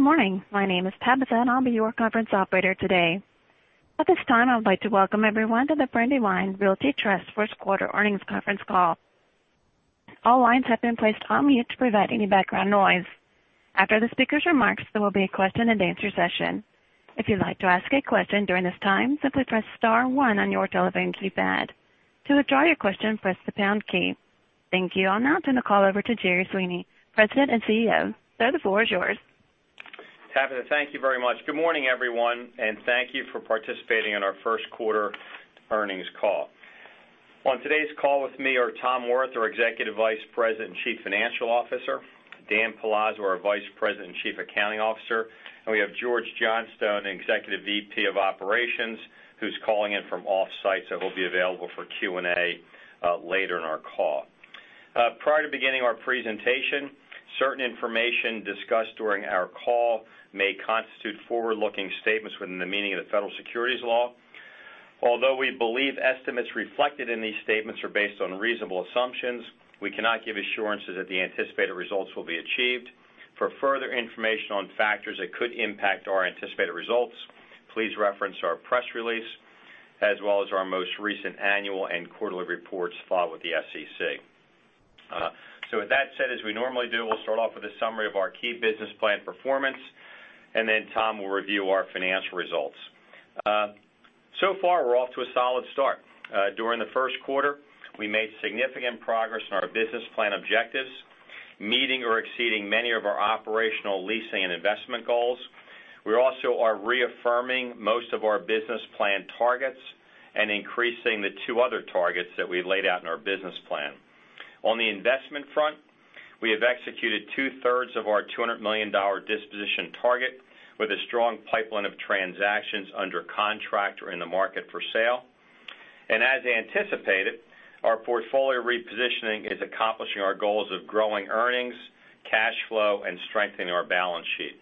Good morning. My name is Tabitha, and I'll be your conference operator today. At this time, I would like to welcome everyone to the Brandywine Realty Trust first quarter earnings conference call. All lines have been placed on mute to prevent any background noise. After the speaker's remarks, there will be a question-and-answer session. If you'd like to ask a question during this time, simply press *1 on your telephone keypad. To withdraw your question, press the # key. Thank you. I'll now turn the call over to Gerry Sweeney, President and CEO. Sir, the floor is yours. Tabitha, thank you very much. Good morning, everyone, and thank you for participating in our first quarter earnings call. On today's call with me are Tom Wirth, our Executive Vice President and Chief Financial Officer, Dan Palazzo, our Vice President and Chief Accounting Officer, and we have George Johnstone, Executive VP of Operations, who's calling in from off-site, so he'll be available for Q&A later in our call. Prior to beginning our presentation, certain information discussed during our call may constitute forward-looking statements within the meaning of the federal securities law. Although we believe estimates reflected in these statements are based on reasonable assumptions, we cannot give assurances that the anticipated results will be achieved. For further information on factors that could impact our anticipated results, please reference our press release, as well as our most recent annual and quarterly reports filed with the SEC. With that said, as we normally do, we'll start off with a summary of our key business plan performance, and then Tom will review our financial results. So far, we're off to a solid start. During the first quarter, we made significant progress on our business plan objectives, meeting or exceeding many of our operational leasing and investment goals. We also are reaffirming most of our business plan targets and increasing the two other targets that we laid out in our business plan. On the investment front, we have executed two-thirds of our $200 million disposition target with a strong pipeline of transactions under contract or in the market for sale. As anticipated, our portfolio repositioning is accomplishing our goals of growing earnings, cash flow, and strengthening our balance sheet.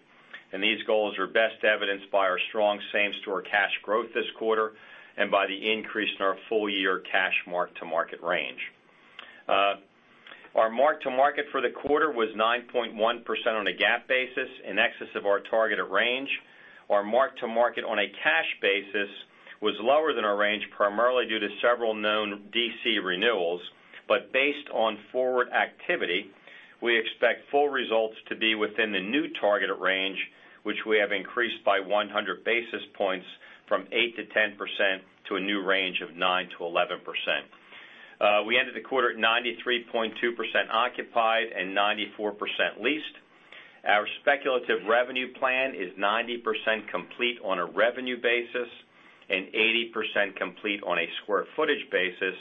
These goals are best evidenced by our strong same-store cash growth this quarter and by the increase in our full-year cash mark-to-market range. Our mark-to-market for the quarter was 9.1% on a GAAP basis, in excess of our targeted range. Our mark-to-market on a cash basis was lower than our range, primarily due to several known D.C. renewals. Based on forward activity, we expect full results to be within the new targeted range, which we have increased by 100 basis points from 8%-10% to a new range of 9%-11%. We ended the quarter at 93.2% occupied and 94% leased. Our speculative revenue plan is 90% complete on a revenue basis and 80% complete on a square footage basis,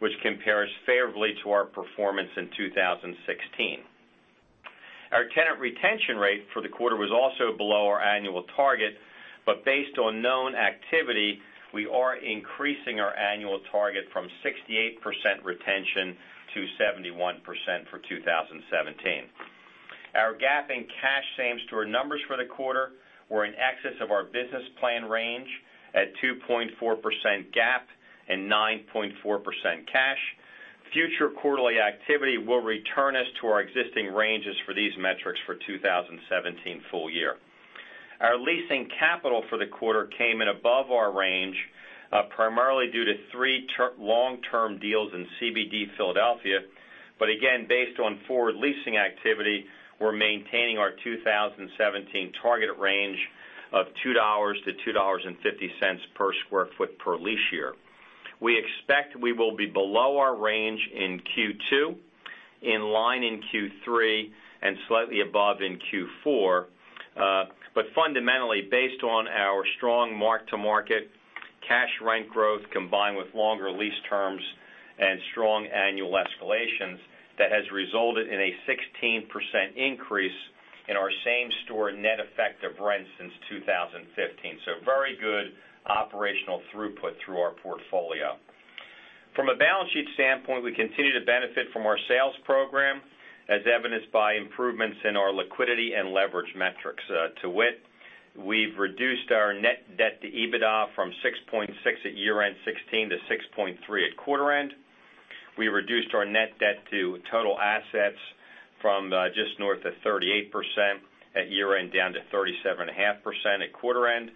which compares favorably to our performance in 2016. Our tenant retention rate for the quarter was also below our annual target. Based on known activity, we are increasing our annual target from 68% retention to 71% for 2017. Our GAAP and cash same store numbers for the quarter were in excess of our business plan range at 2.4% GAAP and 9.4% cash. Future quarterly activity will return us to our existing ranges for these metrics for 2017 full year. Our leasing capital for the quarter came in above our range, primarily due to three long-term deals in CBD Philadelphia. Again, based on forward leasing activity, we're maintaining our 2017 targeted range of $2-$2.50 per square foot per lease year. We expect we will be below our range in Q2, in line in Q3, and slightly above in Q4. Fundamentally, based on our strong mark-to-market cash rent growth, combined with longer lease terms and strong annual escalations, that has resulted in a 16% increase in our same-store net effective rent since 2015. Very good operational throughput through our portfolio. From a balance sheet standpoint, we continue to benefit from our sales program, as evidenced by improvements in our liquidity and leverage metrics. To wit, we've reduced our net debt to EBITDA from 6.6 at year-end 2016 to 6.3 at quarter end. We reduced our net debt to total assets from just north of 38% at year-end down to 37.5% at quarter end.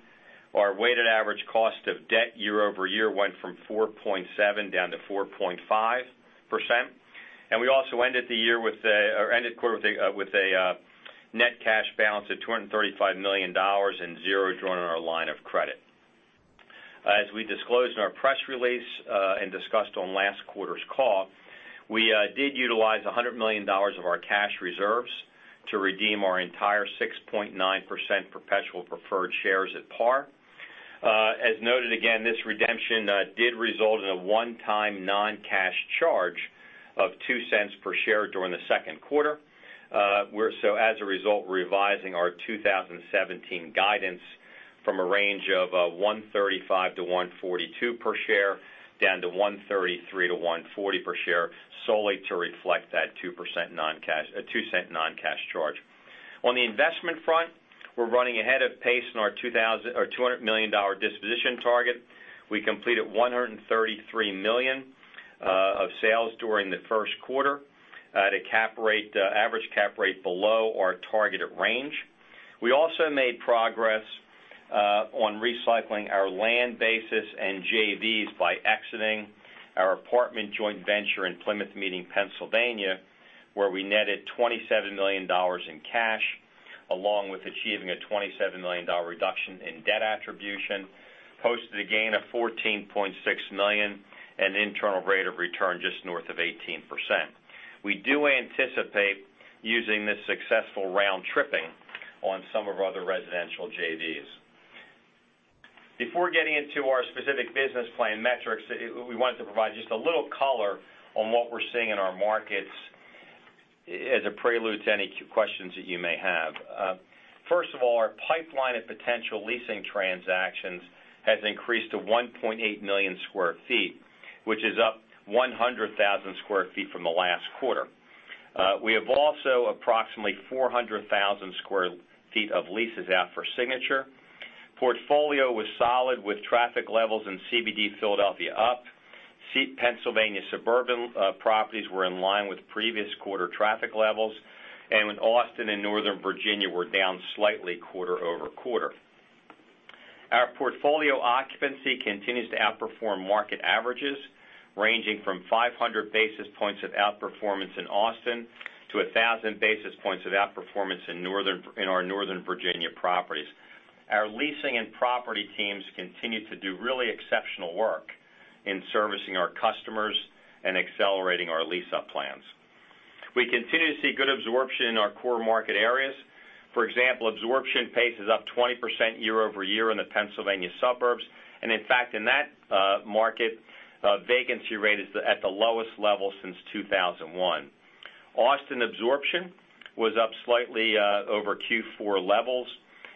Our weighted average cost of debt year-over-year went from 4.7 down to 4.5%. We also ended quarter with a net cash balance of $235 million and zero drawn on our line of credit. As we disclosed in our press release and discussed on last quarter's call, we did utilize $100 million of our cash reserves to redeem our entire 6.9% perpetual preferred shares at par. As noted again, this redemption did result in a one-time non-cash charge of $0.02 per share during the second quarter. As a result, we're revising our 2017 guidance from a range of $1.35-$1.42 per share down to $1.33-$1.40 per share, solely to reflect that $0.02 non-cash charge. On the investment front, we're running ahead of pace in our $200 million disposition target. We completed $133 million of sales during the first quarter at an average cap rate below our targeted range. We also made progress on recycling our land bases and JVs by exiting our apartment joint venture in Plymouth Meeting, Pennsylvania, where we netted $27 million in cash, along with achieving a $27 million reduction in debt attribution, posted a gain of $14.6 million, an internal rate of return just north of 18%. We do anticipate using this successful round tripping on some of our other residential JVs. Before getting into our specific business plan metrics, we wanted to provide just a little color on what we're seeing in our markets as a prelude to any questions that you may have. First of all, our pipeline of potential leasing transactions has increased to 1.8 million square feet, which is up 100,000 square feet from the last quarter. We have also approximately 400,000 square feet of leases out for signature. Portfolio was solid with traffic levels in CBD Philadelphia up. Pennsylvania suburban properties were in line with previous quarter traffic levels, and Austin and Northern Virginia were down slightly quarter-over-quarter. Our portfolio occupancy continues to outperform market averages, ranging from 500 basis points of outperformance in Austin to 1,000 basis points of outperformance in our Northern Virginia properties. Our leasing and property teams continue to do really exceptional work in servicing our customers and accelerating our lease-up plans. We continue to see good absorption in our core market areas. For example, absorption pace is up 20% year-over-year in the Pennsylvania suburbs. In fact, in that market, vacancy rate is at the lowest level since 2001. Austin absorption was up slightly over Q4 levels,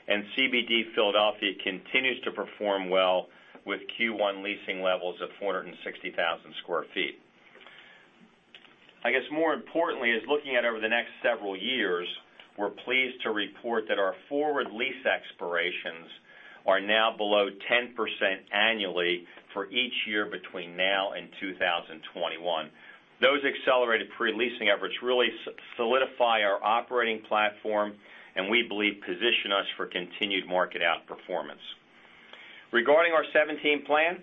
and CBD Philadelphia continues to perform well with Q1 leasing levels of 460,000 sq ft. I guess more importantly is looking at over the next several years, we're pleased to report that our forward lease expirations are now below 10% annually for each year between now and 2021. Those accelerated pre-leasing efforts really solidify our operating platform and we believe position us for continued market outperformance. Regarding our 2017 plan,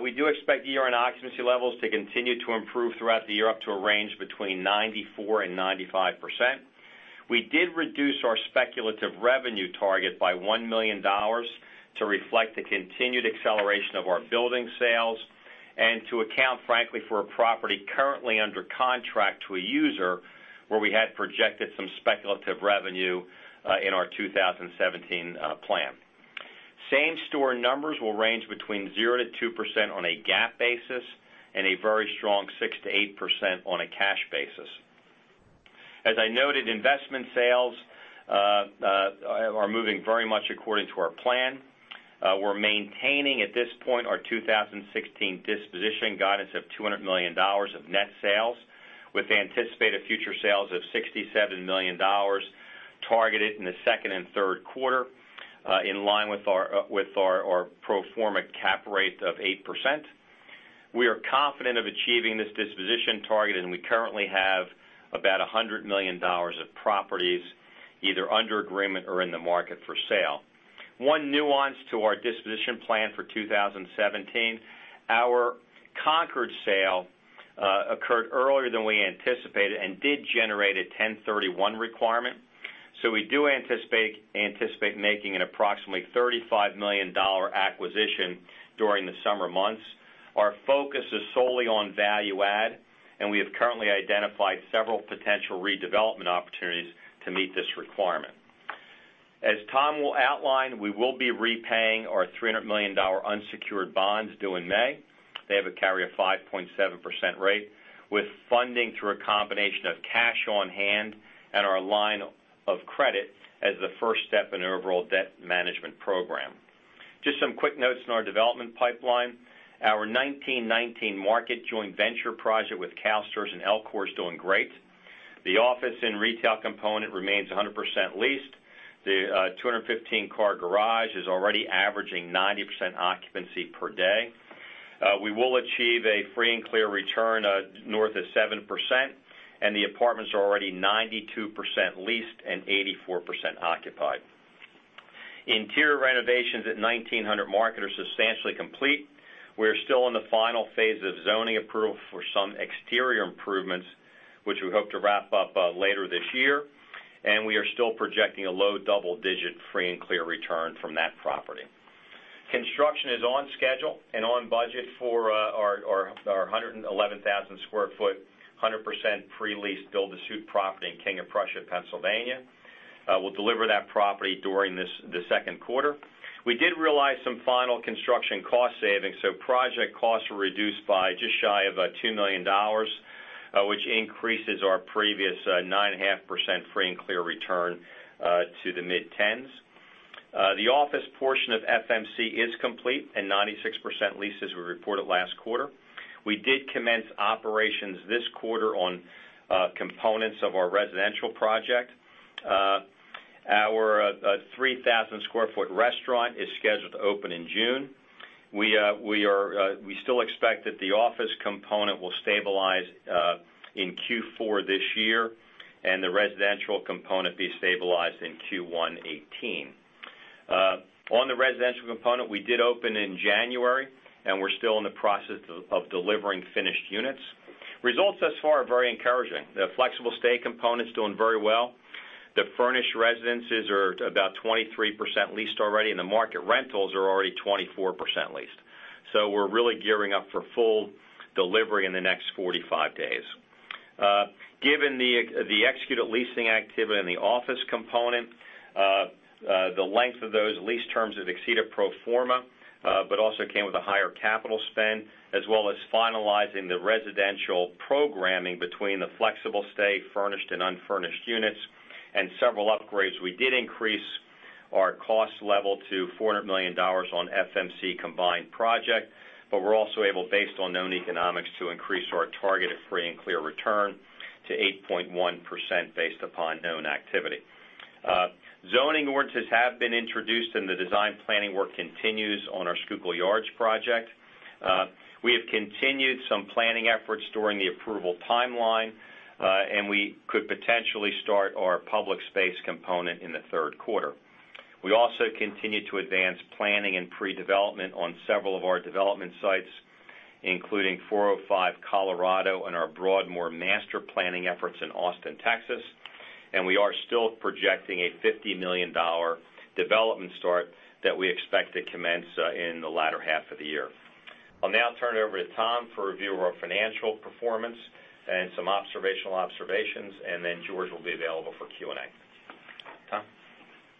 we do expect year-end occupancy levels to continue to improve throughout the year up to a range between 94% and 95%. We did reduce our speculative revenue target by $1 million to reflect the continued acceleration of our building sales and to account frankly for a property currently under contract to a user where we had projected some speculative revenue in our 2017 plan. Same store numbers will range between 0%-2% on a GAAP basis and a very strong 6%-8% on a cash basis. As I noted, investment sales are moving very much according to our plan. We're maintaining at this point our 2016 disposition guidance of $200 million of net sales with anticipated future sales of $67 million targeted in the second and third quarter, in line with our pro forma cap rate of 8%. We are confident of achieving this disposition target, and we currently have about $100 million of properties either under agreement or in the market for sale. One nuance to our disposition plan for 2017, our Concord sale occurred earlier than we anticipated and did generate a Section 1031 requirement. So we do anticipate making an approximately $35 million acquisition during the summer months. Our focus is solely on value add, and we have currently identified several potential redevelopment opportunities to meet this requirement. As Tom will outline, we will be repaying our $300 million unsecured bonds due in May. They have a carry of 5.7% rate with funding through a combination of cash on hand and our line of credit as the first step in our overall debt management program. Just some quick notes on our development pipeline. Our 1919 Market joint venture project with CalSTRS and LCOR is doing great. The office and retail component remains 100% leased. The 215-car garage is already averaging 90% occupancy per day. We will achieve a free and clear return north of 7%, and the apartments are already 92% leased and 84% occupied. Interior renovations at 1900 Market are substantially complete. We're still in the final phase of zoning approval for some exterior improvements, which we hope to wrap up later this year. We are still projecting a low double-digit free and clear return from that property. Construction is on schedule and on budget for our 111,000 sq ft, 100% pre-leased build-to-suit property in King of Prussia, Pennsylvania. We'll deliver that property during the second quarter. Project costs were reduced by just shy of $2 million, which increases our previous 9.5% free and clear return to the mid-10s. The office portion of FMC is complete and 96% leased as we reported last quarter. We did commence operations this quarter on components of our residential project. Our 3,000 sq ft restaurant is scheduled to open in June. We still expect that the office component will stabilize in Q4 this year, and the residential component be stabilized in Q1 2018. On the residential component, we did open in January, and we're still in the process of delivering finished units. Results thus far are very encouraging. The flexible stay component's doing very well. The furnished residences are about 23% leased already, and the market rentals are already 24% leased. We're really gearing up for full delivery in the next 45 days. Given the executed leasing activity in the office component, the length of those lease terms has exceeded pro forma, but also came with a higher capital spend, as well as finalizing the residential programming between the flexible stay furnished and unfurnished units, and several upgrades. We did increase our cost level to $400 million on FMC combined project, but we're also able, based on known economics, to increase our target of free and clear return to 8.1% based upon known activity. Zoning ordinances have been introduced, and the design planning work continues on our Schuylkill Yards project. We have continued some planning efforts during the approval timeline, and we could potentially start our public space component in the third quarter. We also continue to advance planning and pre-development on several of our development sites, including 405 Colorado and our Broadmoor master planning efforts in Austin, Texas. We are still projecting a $50 million development start that we expect to commence in the latter half of the year. I'll now turn it over to Tom for a review of our financial performance and some observational observations. George will be available for Q&A. Tom?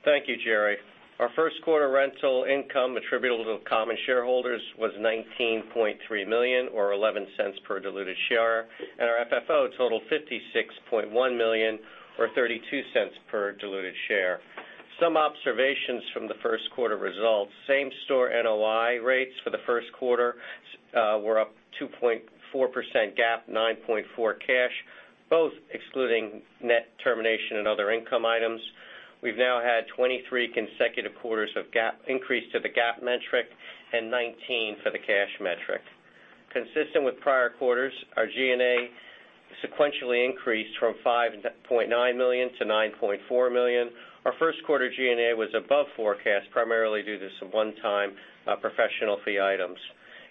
Thank you, Jerry. Our first quarter rental income attributable to common shareholders was $19.3 million, or $0.11 per diluted share. Our FFO totaled $56.1 million or $0.32 per diluted share. Some observations from the first quarter results. Same-store NOI rates for the first quarter were up 2.4% GAAP, 9.4% cash, both excluding net termination and other income items. We've now had 23 consecutive quarters of increase to the GAAP metric. 19 for the cash metric. Consistent with prior quarters, our G&A sequentially increased from $5.9 million to $9.4 million. Our first quarter G&A was above forecast, primarily due to some one-time professional fee items.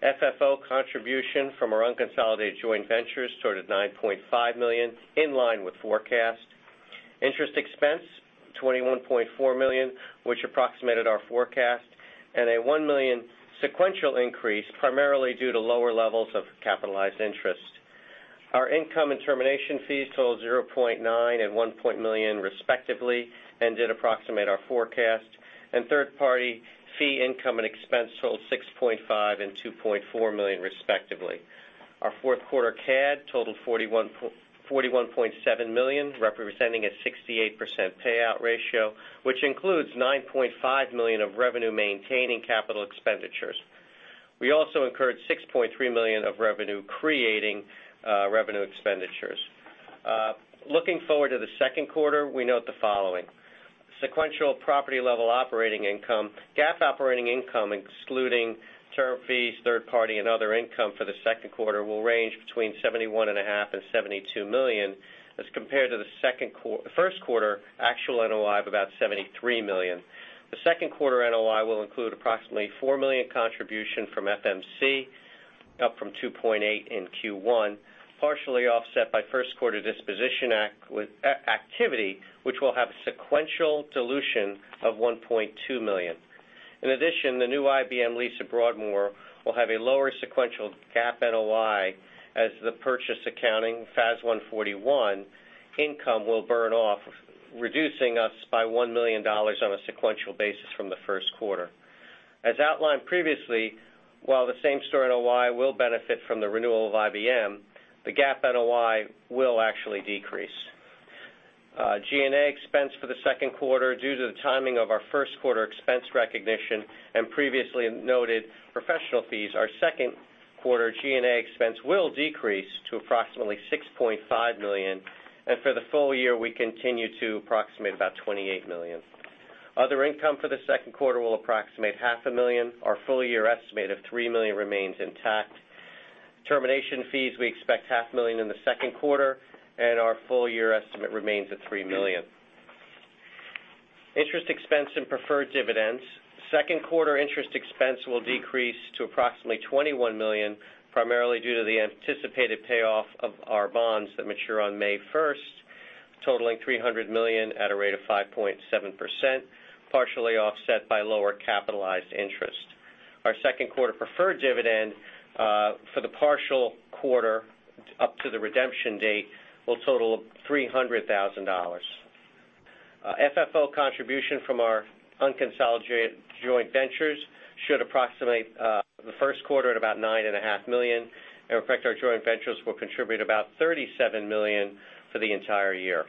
FFO contribution from our unconsolidated joint ventures totaled $9.5 million, in line with forecast. Interest expense, $21.4 million, which approximated our forecast. A $1 million sequential increase, primarily due to lower levels of capitalized interest. Our income and termination fees totaled $0.9 million and $1 million, respectively, did approximate our forecast. Third-party fee income and expense totaled $6.5 million and $2.4 million, respectively. Our fourth quarter CAD totaled $41.7 million, representing a 68% payout ratio, which includes $9.5 million of revenue-maintaining Capital Expenditures. We also incurred $6.3 million of revenue, creating revenue expenditures. Looking forward to the second quarter, we note the following. Sequential property-level operating income, GAAP operating income, excluding term fees, third party, and other income for the second quarter will range between $71.5 million and $72 million, as compared to the first quarter actual NOI of about $73 million. The second quarter NOI will include approximately $4 million contribution from FMC, up from $2.8 in Q1, partially offset by first quarter disposition activity, which will have a sequential dilution of $1.2 million. In addition, the new IBM lease at Broadmoor will have a lower sequential GAAP NOI as the purchase accounting, FAS 141 income will burn off, reducing us by $1 million on a sequential basis from the first quarter. As outlined previously, while the same store NOI will benefit from the renewal of IBM, the GAAP NOI will actually decrease. G&A expense for the second quarter, due to the timing of our first quarter expense recognition and previously noted professional fees, our second quarter G&A expense will decrease to approximately $6.5 million, and for the full year, we continue to approximate about $28 million. Other income for the second quarter will approximate half a million. Our full-year estimate of $3 million remains intact. Termination fees, we expect half million in the second quarter, and our full-year estimate remains at $3 million. Interest expense and preferred dividends. Second quarter interest expense will decrease to approximately $21 million, primarily due to the anticipated payoff of our bonds that mature on May 1st, totaling $300 million at a rate of 5.7%, partially offset by lower capitalized interest. Our second quarter preferred dividend, for the partial quarter up to the redemption date, will total $300,000. FFO contribution from our unconsolidated joint ventures should approximate the first quarter at about $9.5 million, and in fact, our joint ventures will contribute about $37 million for the entire year.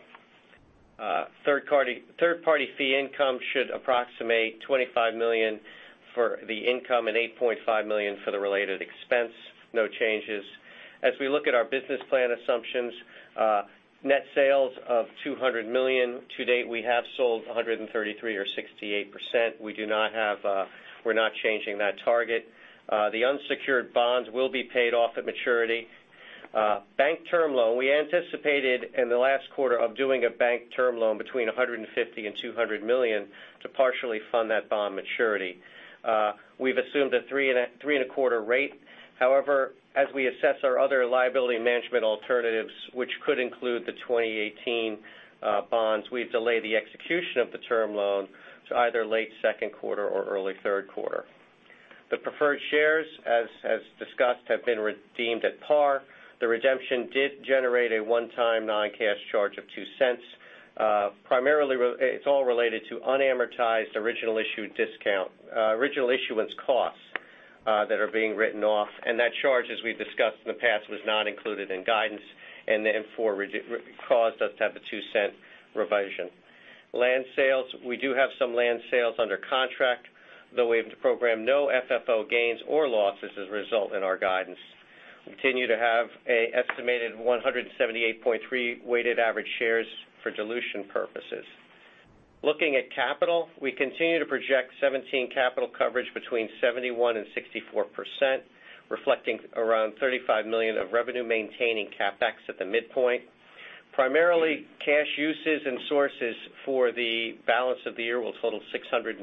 Third-party fee income should approximate $25 million for the income and $8.5 million for the related expense. No changes. As we look at our business plan assumptions, net sales of $200 million. To date, we have sold 133 or 68%. We're not changing that target. The unsecured bonds will be paid off at maturity. Bank term loan. We anticipated in the last quarter of doing a bank term loan between $150 million and $200 million to partially fund that bond maturity. We've assumed a 3.25% rate. However, as we assess our other liability management alternatives, which could include the 2018 bonds, we've delayed the execution of the term loan to either late second quarter or early third quarter. The preferred shares, as discussed, have been redeemed at par. The redemption did generate a one-time non-cash charge of $0.02. Primarily, it's all related to unamortized original issuance costs that are being written off. That charge, as we've discussed in the past, was not included in guidance and therefore, caused us to have a $0.02 revision. Land sales. We do have some land sales under contract, though we have to program no FFO gains or losses as a result in our guidance. We continue to have an estimated 178.3 weighted average shares for dilution purposes. Looking at capital, we continue to project 2017 capital coverage between 71% and 64%, reflecting around $35 million of revenue maintaining CapEx at the midpoint. Primarily, cash uses and sources for the balance of the year will total $650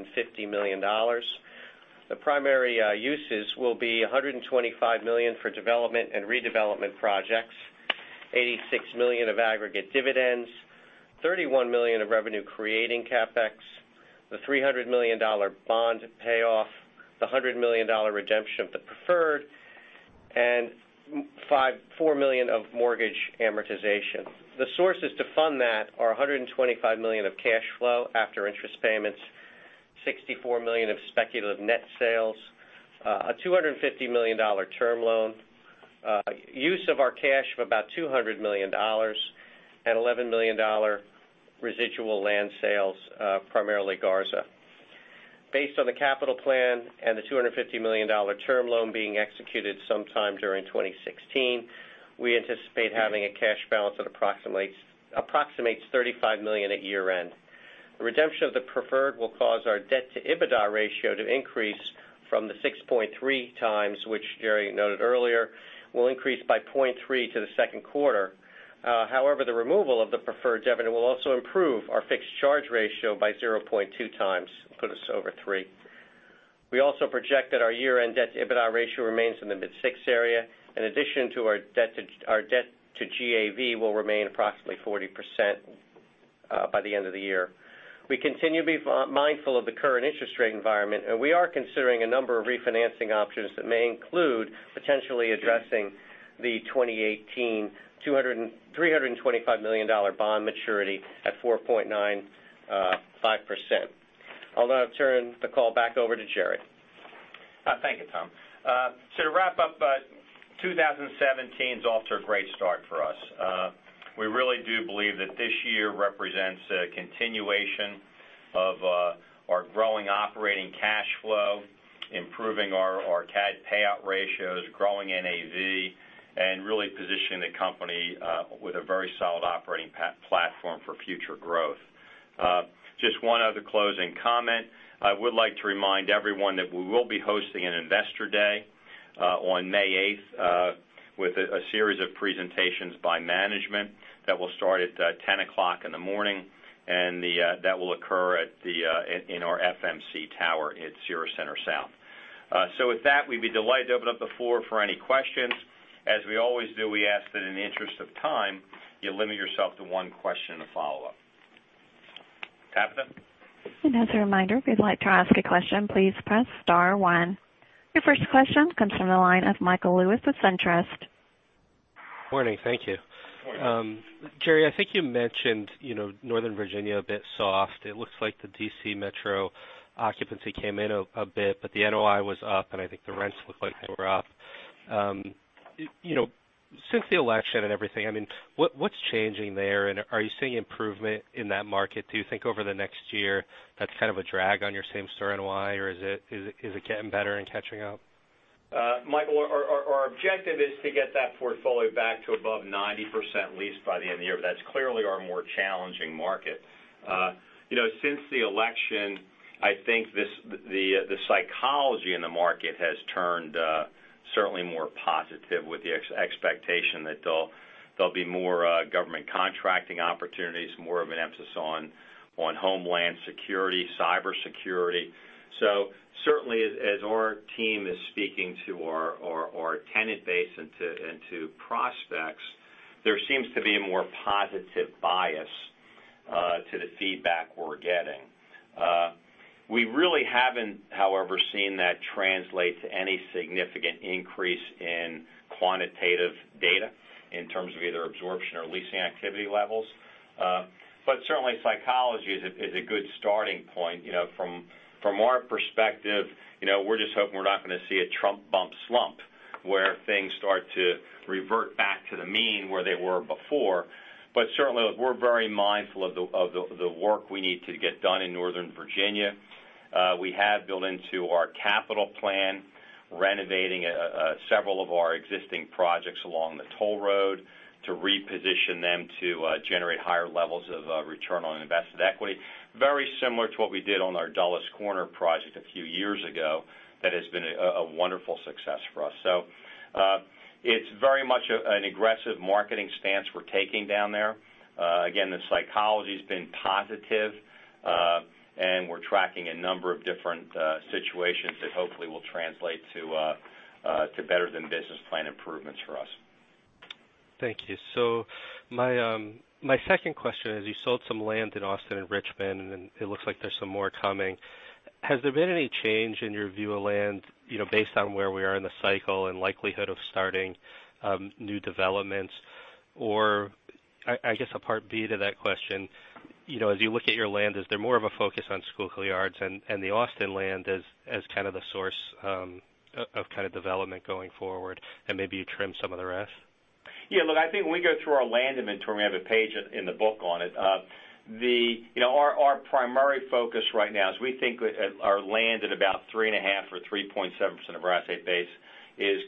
million. The primary uses will be $125 million for development and redevelopment projects, $86 million of aggregate dividends, $31 million of revenue-creating CapEx, the $300 million bond payoff, the $100 million redemption of the preferred, and $4 million of mortgage amortization. The sources to fund that are $125 million of cash flow after interest payments, $64 million of speculative net sales, a $250 million term loan, use of our cash of about $200 million, and $11 million residual land sales, primarily Garza. Based on the capital plan and the $250 million term loan being executed sometime during 2016, we anticipate having a cash balance that approximates $35 million at year-end. The redemption of the preferred will cause our debt-to-EBITDA ratio to increase from the 6.3 times, which Gerry noted earlier, will increase by 0.3 to the second quarter. However, the removal of the preferred dividend will also improve our fixed charge ratio by 0.2 times, put us over three. We also project that our year-end debt-to-EBITDA ratio remains in the mid-six area. In addition to our debt to GAV will remain approximately 40% by the end of the year. We continue to be mindful of the current interest rate environment, and we are considering a number of refinancing options that may include potentially addressing the 2018, $325 million bond maturity at 4.95%. I'll now turn the call back over to Gerry. Thank you, Tom. To wrap up, 2017's off to a great start for us. We really do believe that this year represents a continuation of our growing operating cash flow, improving our CAD payout ratios, growing NAV, and really positioning the company with a very solid operating platform for future growth. Just one other closing comment. I would like to remind everyone that we will be hosting an investor day on May 8th, with a series of presentations by management that will start at 10:00 A.M., and that will occur in our FMC tower at Cira Centre South. With that, we'd be delighted to open up the floor for any questions. As we always do, we ask that in the interest of time, you limit yourself to one question and a follow-up. Operator? As a reminder, if you'd like to ask a question, please press star one. Your first question comes from the line of Michael Lewis with SunTrust. Morning. Thank you. Morning. Gerry, I think you mentioned Northern Virginia a bit soft. It looks like the D.C. metro occupancy came in a bit, but the NOI was up, I think the rents looked like they were up. Since the election and everything, what's changing there? Are you seeing improvement in that market? Do you think over the next year that's kind of a drag on your same store NOI, or is it getting better and catching up? Michael, our objective is to get that portfolio back to above 90% leased by the end of the year. That's clearly our more challenging market. Since the election, I think the psychology in the market has turned certainly more positive with the expectation that there'll be more government contracting opportunities, more of an emphasis on Homeland Security, cyber security. Certainly, as our team is speaking to our tenant base and to prospects, there seems to be a more positive bias to the feedback we're getting. We really haven't, however, seen that translate to any significant increase in quantitative data in terms of either absorption or leasing activity levels. Certainly, psychology is a good starting point. From our perspective, we're just hoping we're not going to see a Trump bump slump, where things start to reverse. The mean where they were before. Certainly, look, we're very mindful of the work we need to get done in Northern Virginia. We have built into our capital plan, renovating several of our existing projects along the toll road to reposition them to generate higher levels of return on invested equity, very similar to what we did on our Dulles Corner project a few years ago that has been a wonderful success for us. It's very much an aggressive marketing stance we're taking down there. Again, the psychology's been positive, and we're tracking a number of different situations that hopefully will translate to better-than-business-plan improvements for us. Thank you. My second question is, you sold some land in Austin and Richmond, and it looks like there's some more coming. Has there been any change in your view of land, based on where we are in the cycle and likelihood of starting new developments? Or, I guess a part B to that question, as you look at your land, is there more of a focus on Schuylkill Yards and the Austin land as kind of the source of kind of development going forward, and maybe you trim some of the rest? Yeah, look, I think when we go through our land inventory, we have a page in the book on it. Our primary focus right now is we think our land at about 3.5% or 3.7% of our asset base is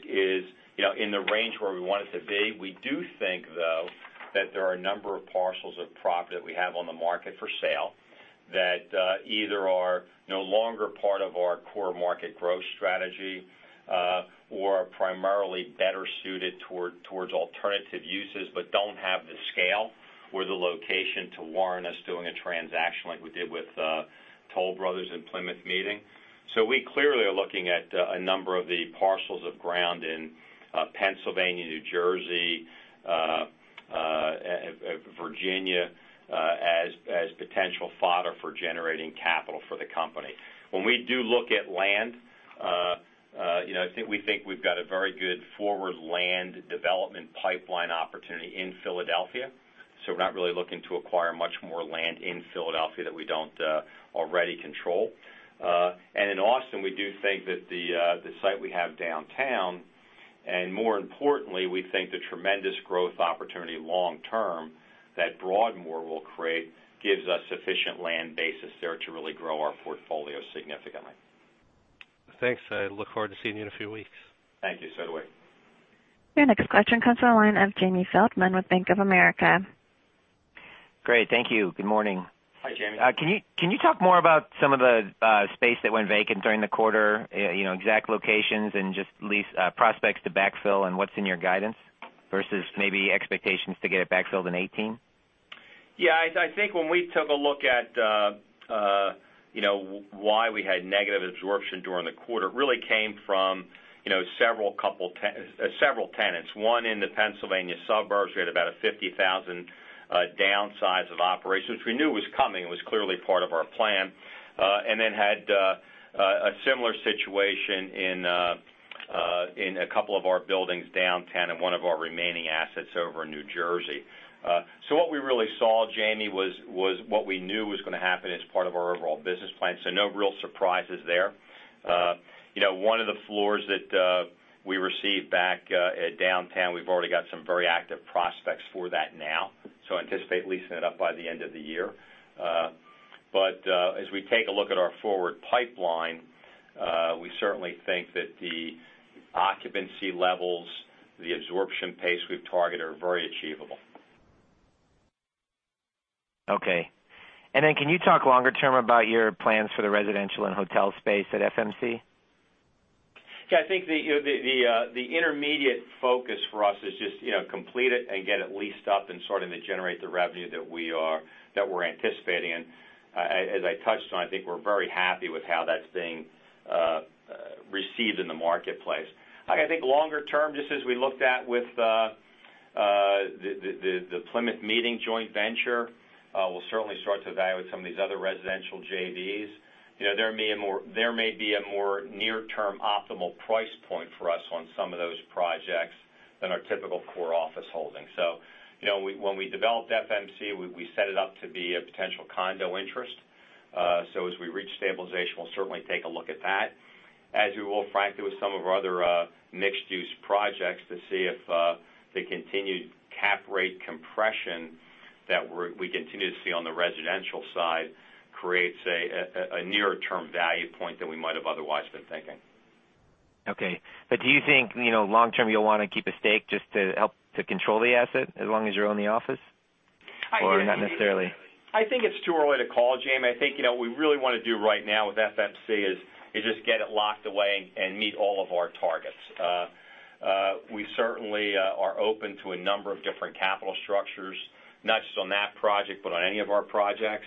in the range where we want it to be. We do think, though, that there are a number of parcels of property that we have on the market for sale that either are no longer part of our core market growth strategy or are primarily better suited towards alternative uses but don't have the scale or the location to warrant us doing a transaction like we did with Toll Brothers in Plymouth Meeting. We clearly are looking at a number of the parcels of ground in Pennsylvania, New Jersey, Virginia, as potential fodder for generating capital for the company. When we do look at land, we think we've got a very good forward land development pipeline opportunity in Philadelphia, we're not really looking to acquire much more land in Philadelphia that we don't already control. In Austin, we do think that the site we have downtown, and more importantly, we think the tremendous growth opportunity long term that Broadmoor will create gives us sufficient land basis there to really grow our portfolio significantly. Thanks. I look forward to seeing you in a few weeks. Thank you. Do we. Your next question comes on the line of Jamie Feldman with Bank of America. Great. Thank you. Good morning. Hi, Jamie. Can you talk more about some of the space that went vacant during the quarter, exact locations and just lease prospects to backfill and what's in your guidance versus maybe expectations to get it backfilled in 2018? Yeah, I think when we took a look at why we had negative absorption during the quarter, it really came from several tenants. One in the Pennsylvania suburbs, we had about a 50,000 downsize of operations, which we knew was coming, it was clearly part of our plan. Then had a similar situation in a couple of our buildings downtown and one of our remaining assets over in New Jersey. What we really saw, Jamie, was what we knew was going to happen as part of our overall business plan. No real surprises there. One of the floors that we received back at downtown, we've already got some very active prospects for that now, anticipate leasing it up by the end of the year. As we take a look at our forward pipeline, we certainly think that the occupancy levels, the absorption pace we've targeted are very achievable. Okay. Then can you talk longer term about your plans for the residential and hotel space at FMC? I think the intermediate focus for us is just complete it and get it leased up and starting to generate the revenue that we're anticipating. As I touched on, I think we're very happy with how that's being received in the marketplace. I think longer term, just as we looked at with the Plymouth Meeting joint venture, we'll certainly start to evaluate some of these other residential JVs. There may be a more near-term optimal price point for us on some of those projects than our typical core office holdings. When we developed FMC, we set it up to be a potential condo interest. As we reach stabilization, we'll certainly take a look at that, as we will, frankly, with some of our other mixed-use projects to see if the continued cap rate compression that we continue to see on the residential side creates a nearer-term value point than we might have otherwise been thinking. Okay. Do you think, long term, you'll want to keep a stake just to help to control the asset as long as you own the office? Not necessarily? I think it's too early to call, Jamie. I think, what we really want to do right now with FMC is just get it locked away and meet all of our targets. We certainly are open to a number of different capital structures, not just on that project, but on any of our projects.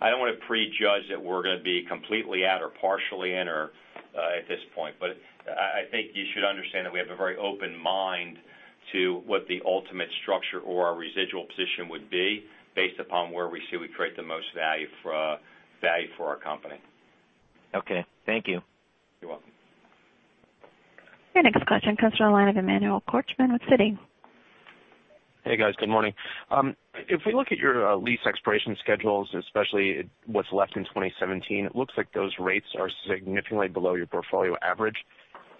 I don't want to prejudge that we're going to be completely out or partially in or at this point. I think you should understand that we have a very open mind to what the ultimate structure or our residual position would be based upon where we see we create the most value for our company. Okay. Thank you. You're welcome. Your next question comes from the line of Emmanuel Korchman with Citigroup. Hey guys, good morning. If we look at your lease expiration schedules, especially what's left in 2017, it looks like those rates are significantly below your portfolio average.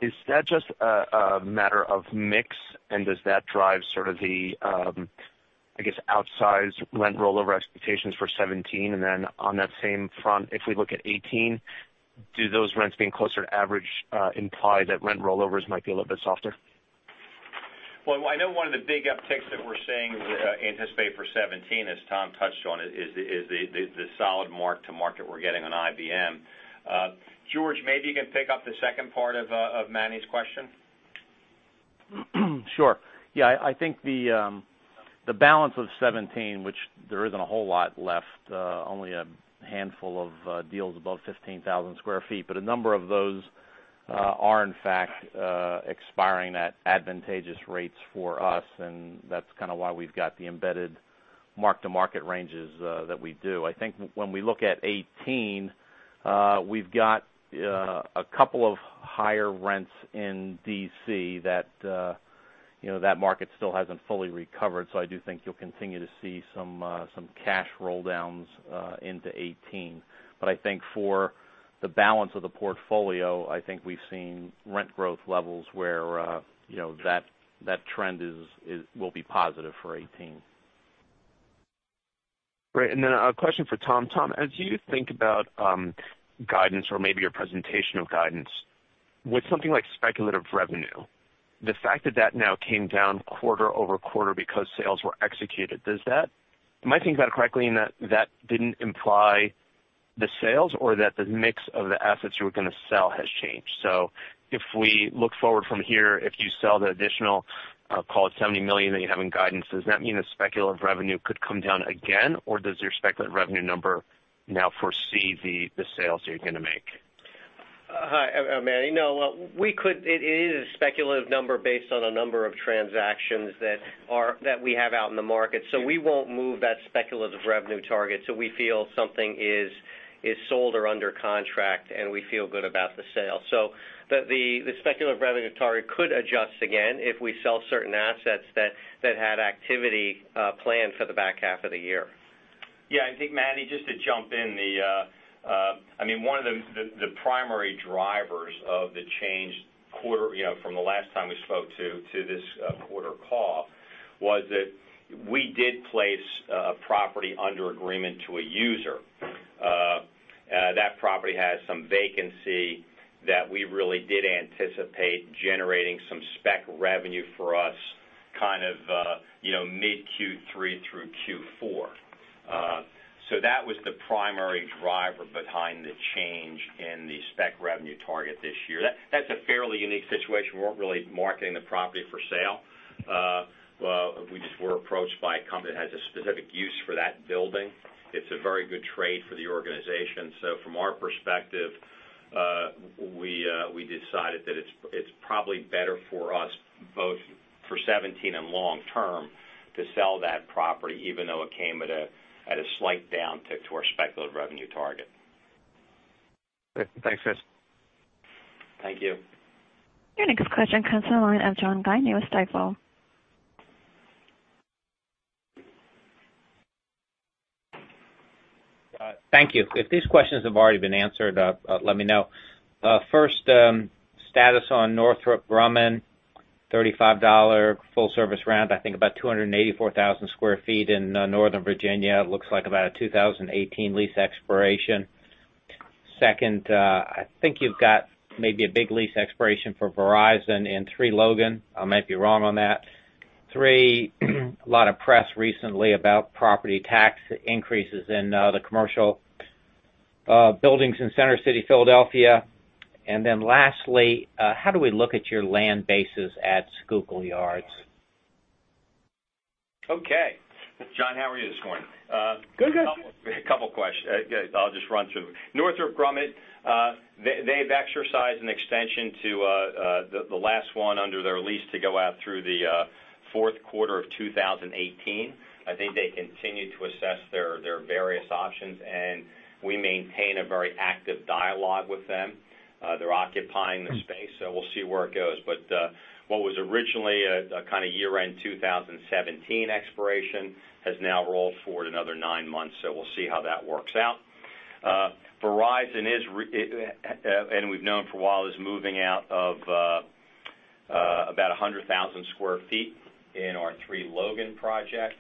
Is that just a matter of mix, does that drive sort of the, I guess, outsized rent rollover expectations for 2017? On that same front, if we look at 2018, do those rents being closer to average imply that rent rollovers might be a little bit softer? Well, I know one of the big upticks that we're seeing, anticipate for 2017, as Tom touched on, is the solid mark-to-market we're getting on IBM. George, maybe you can pick up the second part of Manny's question. Sure. Yeah, I think the balance of 2017, which there isn't a whole lot left, only a handful of deals above 15,000 sq ft. A number of those are in fact expiring at advantageous rates for us, and that's kind of why we've got the embedded mark-to-market ranges that we do. I think when we look at 2018, we've got a couple of higher rents in D.C. that market still hasn't fully recovered. I do think you'll continue to see some cash roll-downs, into 2018. I think for the balance of the portfolio, I think we've seen rent growth levels where that trend will be positive for 2018. Great. Then a question for Tom. Tom, as you think about guidance or maybe your presentation of guidance, with something like speculative revenue, the fact that that now came down quarter-over-quarter because sales were executed. Am I thinking about it correctly in that that didn't imply the sales or that the mix of the assets you were going to sell has changed? If we look forward from here, if you sell the additional, call it $70 million that you have in guidance, does that mean the speculative revenue could come down again? Does your speculative revenue number now foresee the sales you're going to make? Hi, Manny. No, it is a speculative number based on a number of transactions that we have out in the market. We won't move that speculative revenue target till we feel something is sold or under contract, and we feel good about the sale. The speculative revenue target could adjust again if we sell certain assets that had activity planned for the back half of the year. Yeah, I think, Manny, just to jump in. One of the primary drivers of the change from the last time we spoke to this quarter call was that we did place a property under agreement to a user. That property has some vacancy that we really did anticipate generating some spec revenue for us kind of mid Q3 through Q4. That was the primary driver behind the change in the spec revenue target this year. That's a fairly unique situation. We weren't really marketing the property for sale. We just were approached by a company that has a specific use for that building. It's a very good trade for the organization. From our perspective, we decided that it's probably better for us, both for 2017 and long term, to sell that property, even though it came at a slight downtick to our speculative revenue target. Thanks, guys. Thank you. Your next question comes on the line of John Guinee with Stifel. Thank you. If these questions have already been answered, let me know. First, status on Northrop Grumman, $35 full-service rent, I think about 284,000 sq ft in Northern Virginia. It looks like about a 2018 lease expiration. Second, I think you've got maybe a big lease expiration for Verizon in 3 Logan. I might be wrong on that. Three, a lot of press recently about property tax increases in the commercial buildings in Center City, Philadelphia. Then lastly, how do we look at your land bases at Schuylkill Yards? Okay. John, how are you this morning? Good. A couple questions. I'll just run through them. Northrop Grumman, they've exercised an extension to the last one under their lease to go out through the fourth quarter of 2018. I think they continue to assess their various options, we maintain a very active dialogue with them. They're occupying the space, we'll see where it goes. What was originally a kind of year-end 2017 expiration has now rolled forward another nine months. We'll see how that works out. Verizon, we've known for a while, is moving out of about 100,000 sq ft in our 3 Logan project.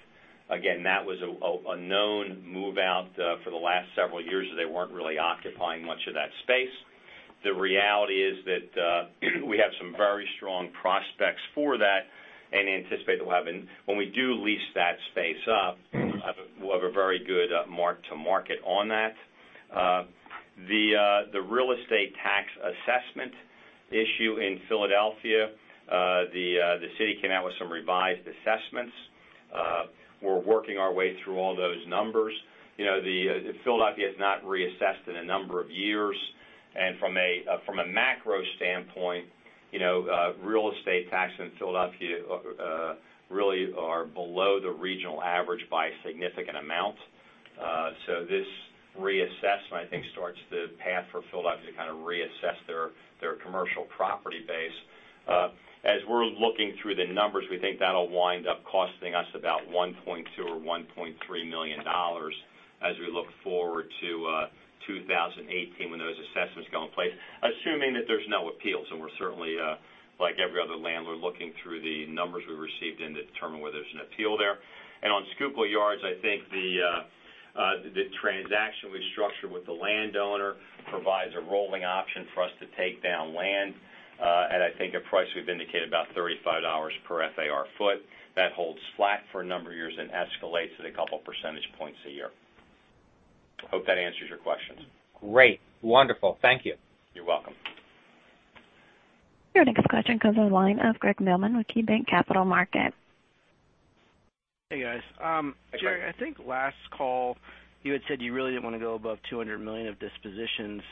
Again, that was a known move-out for the last several years, as they weren't really occupying much of that space. The reality is that we have some very strong prospects for that and anticipate that when we do lease that space up, we'll have a very good mark-to-market on that. The real estate tax assessment issue in Philadelphia, the city came out with some revised assessments. We're working our way through all those numbers. Philadelphia has not reassessed in a number of years, from a macro standpoint, real estate tax in Philadelphia really are below the regional average by a significant amount. This reassessment, I think, starts the path for Philadelphia to reassess their commercial property base. As we're looking through the numbers, we think that'll wind up costing us about $1.2 or $1.3 million as we look forward to 2018 when those assessments go in place, assuming that there's no appeals. We're certainly, like every other landlord, looking through the numbers we received in to determine whether there's an appeal there. On Schuylkill Yards, I think the transaction we structured with the landowner provides a rolling option for us to take down land, at I think a price we've indicated, about $35 per FAR foot. That holds flat for a number of years and escalates at a couple percentage points a year. Hope that answers your questions. Great. Wonderful. Thank you. You're welcome. Your next question comes on the line of Craig Millman with KeyBanc Capital Markets. Hey, guys. Hey, Gregg. Craig, I think last call, you had said you really didn't want to go above $200 million of dispositions.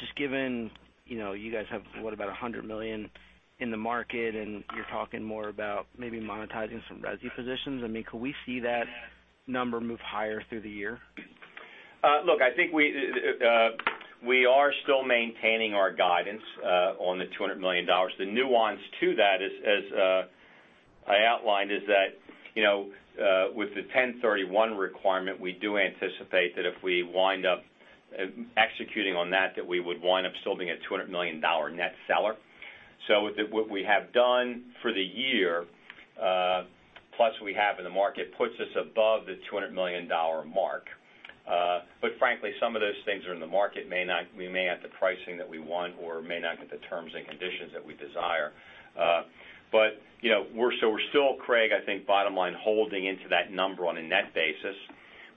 Just given, you guys have about $100 million in the market, and you're talking more about maybe monetizing some resi positions. Could we see that number move higher through the year? I think we are still maintaining our guidance on the $200 million. The nuance to that, as I outlined, is that with the 1031 requirement, we do anticipate that if we wind up executing on that we would wind up still being a $200 million net seller. What we have done for the year, plus what we have in the market, puts us above the $200 million mark. Frankly, some of those things that are in the market, we may not get the pricing that we want or may not get the terms and conditions that we desire. We're still, Craig, I think, bottom line, holding into that number on a net basis.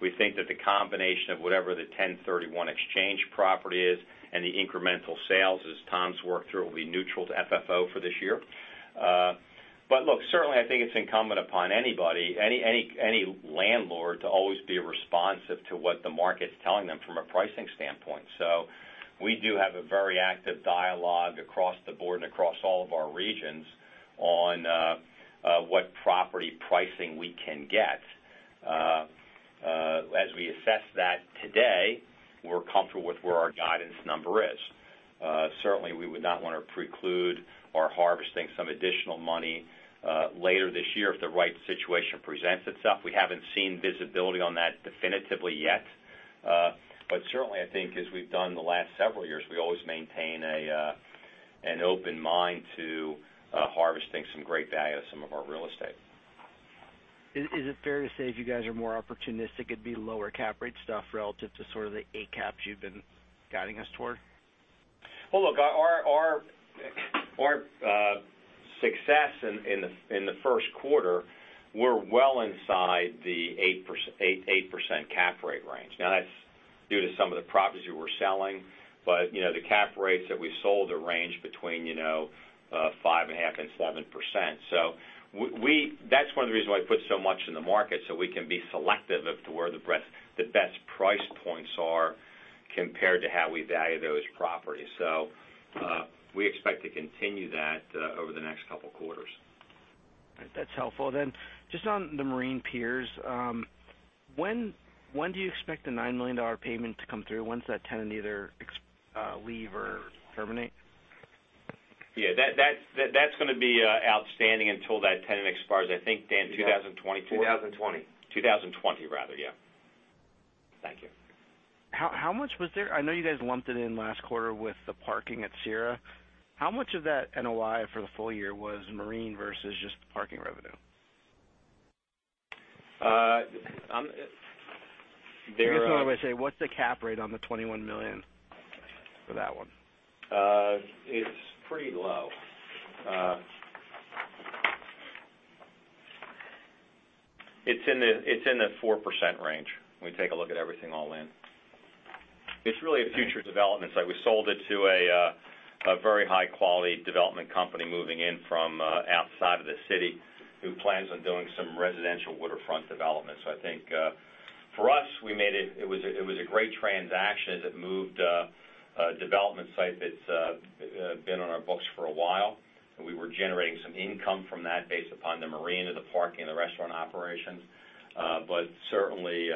We think that the combination of whatever the 1031 exchange property is and the incremental sales as Tom's worked through, will be neutral to FFO for this year. look, certainly, I think it's incumbent upon anybody, any landlord, to always be responsive to what the market's telling them from a pricing standpoint. We do have a very active dialogue across the board and across all of our regions on what property pricing we can get. As we assess that today, we're comfortable with where our guidance number is. Certainly, we would not want to preclude our harvesting some additional money later this year if the right situation presents itself. We haven't seen visibility on that definitively yet. Certainly, I think as we've done the last several years, we always maintain an open mind to harvesting some great value of some of our real estate. Is it fair to say if you guys are more opportunistic, it'd be lower cap rate stuff relative to sort of the 8 caps you've been guiding us toward? Well, look, our success in the first quarter, we're well inside the 8% cap rate range. That's due to some of the properties we were selling. The cap rates that we sold are ranged between 5.5% and 7%. That's one of the reasons why we put so much in the market, so we can be selective as to where the best price points are compared to how we value those properties. We expect to continue that over the next couple of quarters. That's helpful. Just on the Marine Piers, when do you expect the $9 million payment to come through? Once that tenant either leave or terminate? Yeah. That's going to be outstanding until that tenant expires, I think, Dan, 2024? 2020. 2020 rather, yeah. Thank you. How much was there? I know you guys lumped it in last quarter with the parking at Cira. How much of that NOI for the full year was Marine versus just the parking revenue? On- Maybe a different way to say it. What's the cap rate on the $21 million for that one? It's pretty low. It's in the 4% range, when we take a look at everything all in. It's really a future development site. We sold it to a very high-quality development company moving in from outside of the city, who plans on doing some residential waterfront development. I think, for us, it was a great transaction that moved a development site that's been on our books for a while, and we were generating some income from that based upon the Marine and the parking, the restaurant operations. Certainly,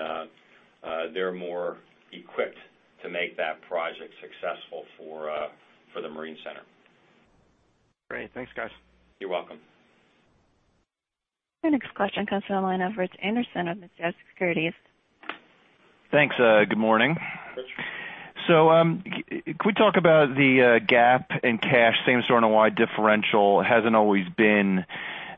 they're more equipped to make that project successful for the Marine Center. Great. Thanks, guys. You're welcome. Your next question comes on the line of Rich Anderson of Mizuho Securities. Thanks. Good morning. Rich. Could we talk about the GAAP and cash, same-store NOI differential hasn't always been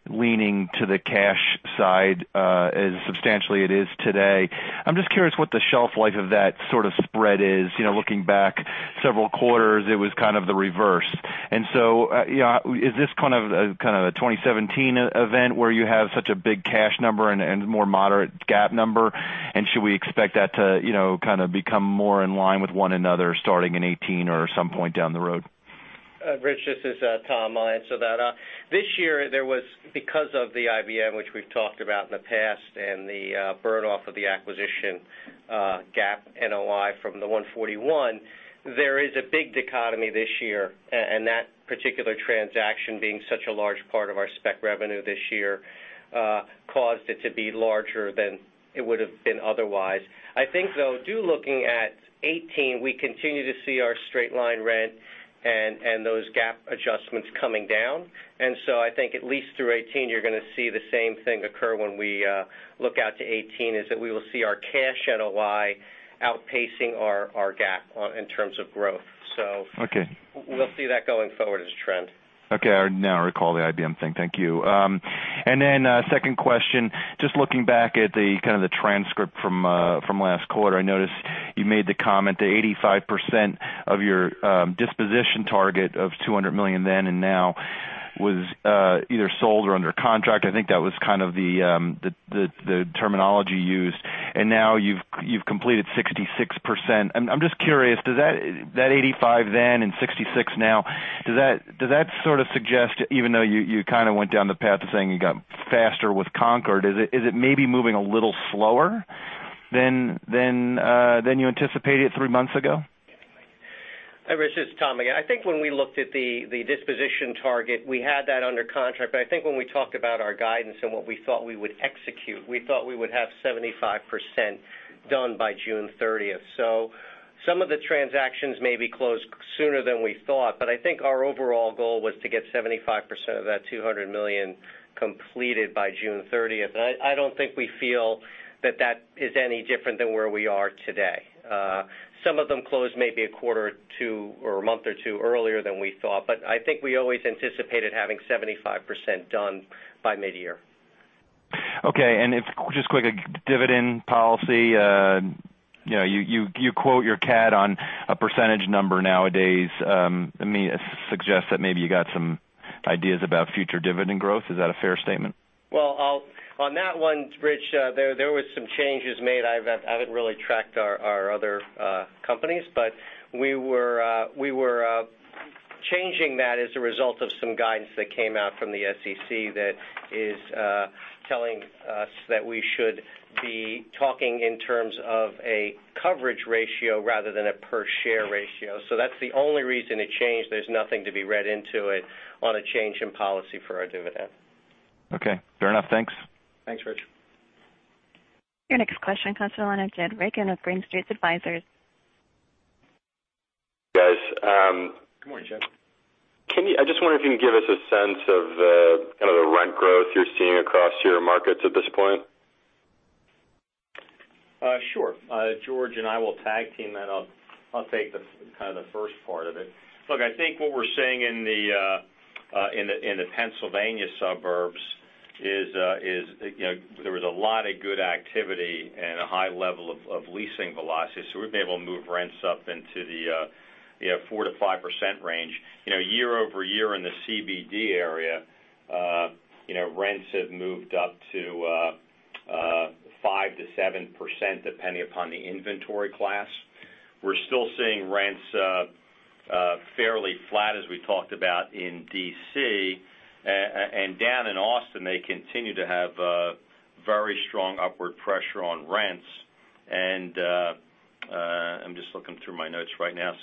leaning to the cash side as substantially it is today. I'm just curious what the shelf life of that sort of spread is. Looking back several quarters, it was kind of the reverse. Is this kind of a 2017 event where you have such a big cash number and more moderate GAAP number? Should we expect that to kind of become more in line with one another starting in 2018 or some point down the road? Rich, this is Tom. I'll answer that. This year, because of the IBM, which we've talked about in the past, and the burn-off of the acquisition GAAP NOI from the 141, there is a big dichotomy this year, and that particular transaction being such a large part of our spec revenue this year, caused it to be larger than it would've been otherwise. I think though, looking at 2018, we continue to see our straight line rent and those GAAP adjustments coming down. I think at least through 2018, you're going to see the same thing occur when we look out to 2018, is that we will see our cash NOI outpacing our GAAP in terms of growth. Okay. We'll see that going forward as a trend. Okay. I now recall the IBM thing. Thank you. Second question, just looking back at the kind of the transcript from last quarter, I noticed you made the comment that 85% of your disposition target of $200 million then and now was either sold or under contract. I think that was kind of the terminology used. Now you've completed 66%. I'm just curious, does that 85% then and 66% now, does that sort of suggest, even though you kind of went down the path of saying you got faster with Concord, is it maybe moving a little slower than you anticipated three months ago? Rich, it's Tom again. I think when we looked at the disposition target, we had that under contract. I think when we talked about our guidance and what we thought we would execute, we thought we would have 75% done by June 30th. Some of the transactions may be closed sooner than we thought, but I think our overall goal was to get 75% of that $200 million completed by June 30th. I don't think we feel that that is any different than where we are today. Some of them closed maybe a quarter or two or a month or two earlier than we thought, but I think we always anticipated having 75% done by mid-year. Okay. If, just quick, a dividend policy, you quote your CAD on a % number nowadays. To me, it suggests that maybe you got some ideas about future dividend growth. Is that a fair statement? Well, on that one, Rich, there was some changes made. I haven't really tracked our other companies, but we were changing that as a result of some guidance that came out from the SEC that is telling us that we should be talking in terms of a coverage ratio rather than a per share ratio. That's the only reason it changed. There's nothing to be read into it on a change in policy for our dividend. Okay. Fair enough. Thanks. Thanks, Rich. Your next question comes on the line with Jed Reagan of Green Street Advisors. Guys. Good morning, Jed. I just wonder if you can give us a sense of the kind of the rent growth you're seeing across your markets at this point. Sure. George and I will tag team that. I'll take kind of the first part of it. Look, I think what we're seeing in the Pennsylvania suburbs is there was a lot of good activity and a high level of leasing velocity, so we've been able to move rents up into the 4%-5% range. Year-over-year in the CBD area, rents have moved up to 5%-7%, depending upon the inventory class. We're still seeing rents fairly flat as we talked about in D.C. Down in Austin, they continue to have very strong upward pressure on rents and, I'm just looking through my notes right now.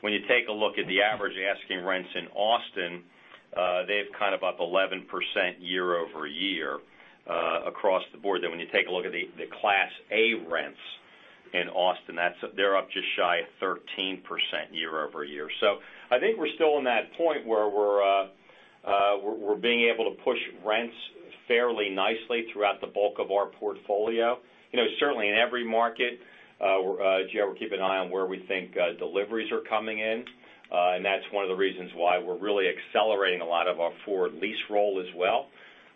When you take a look at the average asking rents in Austin, they've kind of up 11% year-over-year, across the board. When you take a look at the class A rents in Austin, they're up just shy of 13% year-over-year. I think we're still in that point where we're being able to push rents fairly nicely throughout the bulk of our portfolio. Certainly in every market, we keep an eye on where we think deliveries are coming in. That's one of the reasons why we're really accelerating a lot of our forward lease roll as well,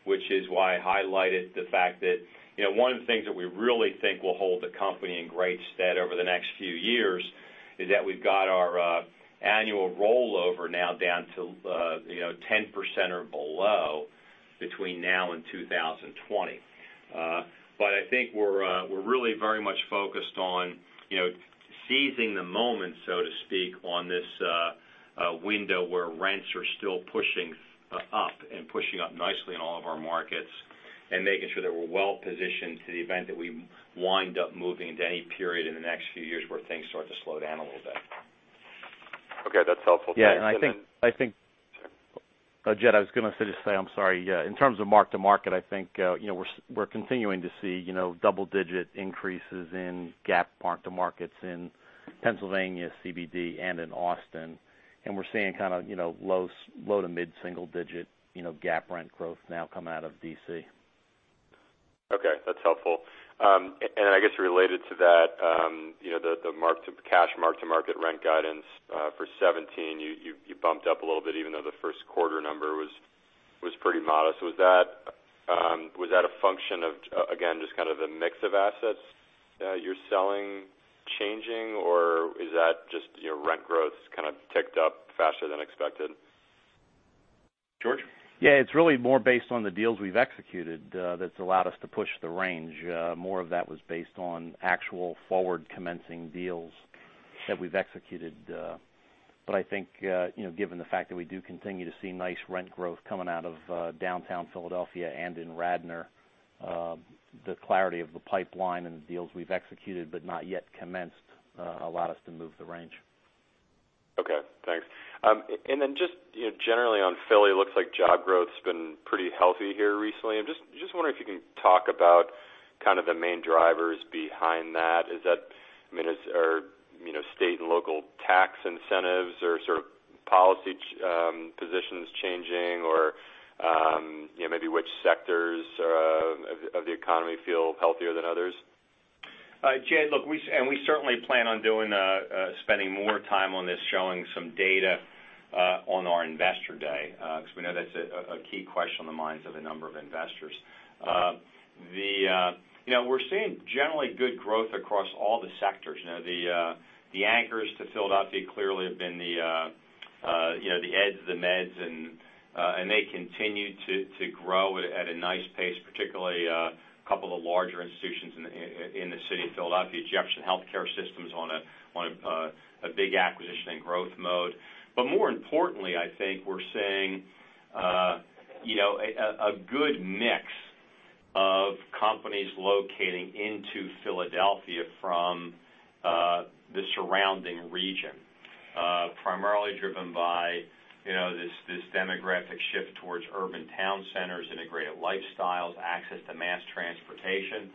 which is why I highlighted the fact that one of the things that we really think will hold the company in great stead over the next few years is that we've got our annual rollover now down to 10% or below between now and 2020. I think we're really very much focused on seizing the moment, so to speak, on this window where rents are still pushing up, and pushing up nicely in all of our markets. Making sure that we're well-positioned to the event that we wind up moving into any period in the next few years where things start to slow down a little bit. Okay. That's helpful. Thanks. I think Jed, I was going to just say, I'm sorry. In terms of mark-to-market, I think, we're continuing to see double-digit increases in GAAP mark-to-markets in Pennsylvania CBD and in Austin. We're seeing kind of low- to mid-single digit GAAP rent growth now coming out of D.C. Okay. That's helpful. I guess related to that, the cash mark-to-market rent guidance, for 2017, you bumped up a little bit even though the first quarter number was pretty modest. Was that a function of, again, just kind of the mix of assets that you're selling changing, or is that just your rent growth kind of ticked up faster than expected? George? Yeah, it's really more based on the deals we've executed that's allowed us to push the range. More of that was based on actual forward commencing deals That we've executed. I think, given the fact that we do continue to see nice rent growth coming out of Downtown Philadelphia and in Radnor, the clarity of the pipeline and the deals we've executed but not yet commenced, allowed us to move the range. Okay, thanks. Then just generally on Philly, looks like job growth's been pretty healthy here recently. I'm just wondering if you can talk about kind of the main drivers behind that. Is that state and local tax incentives or sort of policy positions changing or maybe which sectors of the economy feel healthier than others? Jed, look, we certainly plan on spending more time on this, showing some data on our investor day, because we know that's a key question on the minds of a number of investors. We're seeing generally good growth across all the sectors. The anchors to Philadelphia clearly have been the eds, the meds, and they continue to grow at a nice pace, particularly a couple of larger institutions in the city of Philadelphia. Jefferson Health on a big acquisition and growth mode. More importantly, I think we're seeing a good mix of companies locating into Philadelphia from the surrounding region. Primarily driven by this demographic shift towards urban town centers, integrated lifestyles, access to mass transportation.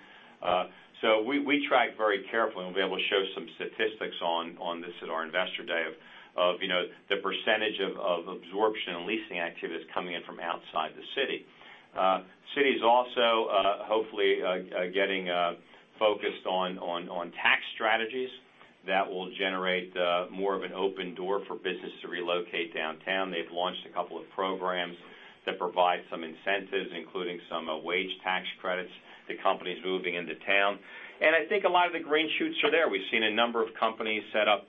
We track very carefully, and we'll be able to show some statistics on this at our investor day of the percentage of absorption and leasing activities coming in from outside the city. City's also, hopefully, getting focused on tax strategies that will generate more of an open door for business to relocate downtown. They've launched a couple of programs that provide some incentives, including some wage tax credits to companies moving into town. I think a lot of the green shoots are there. We've seen a number of companies set up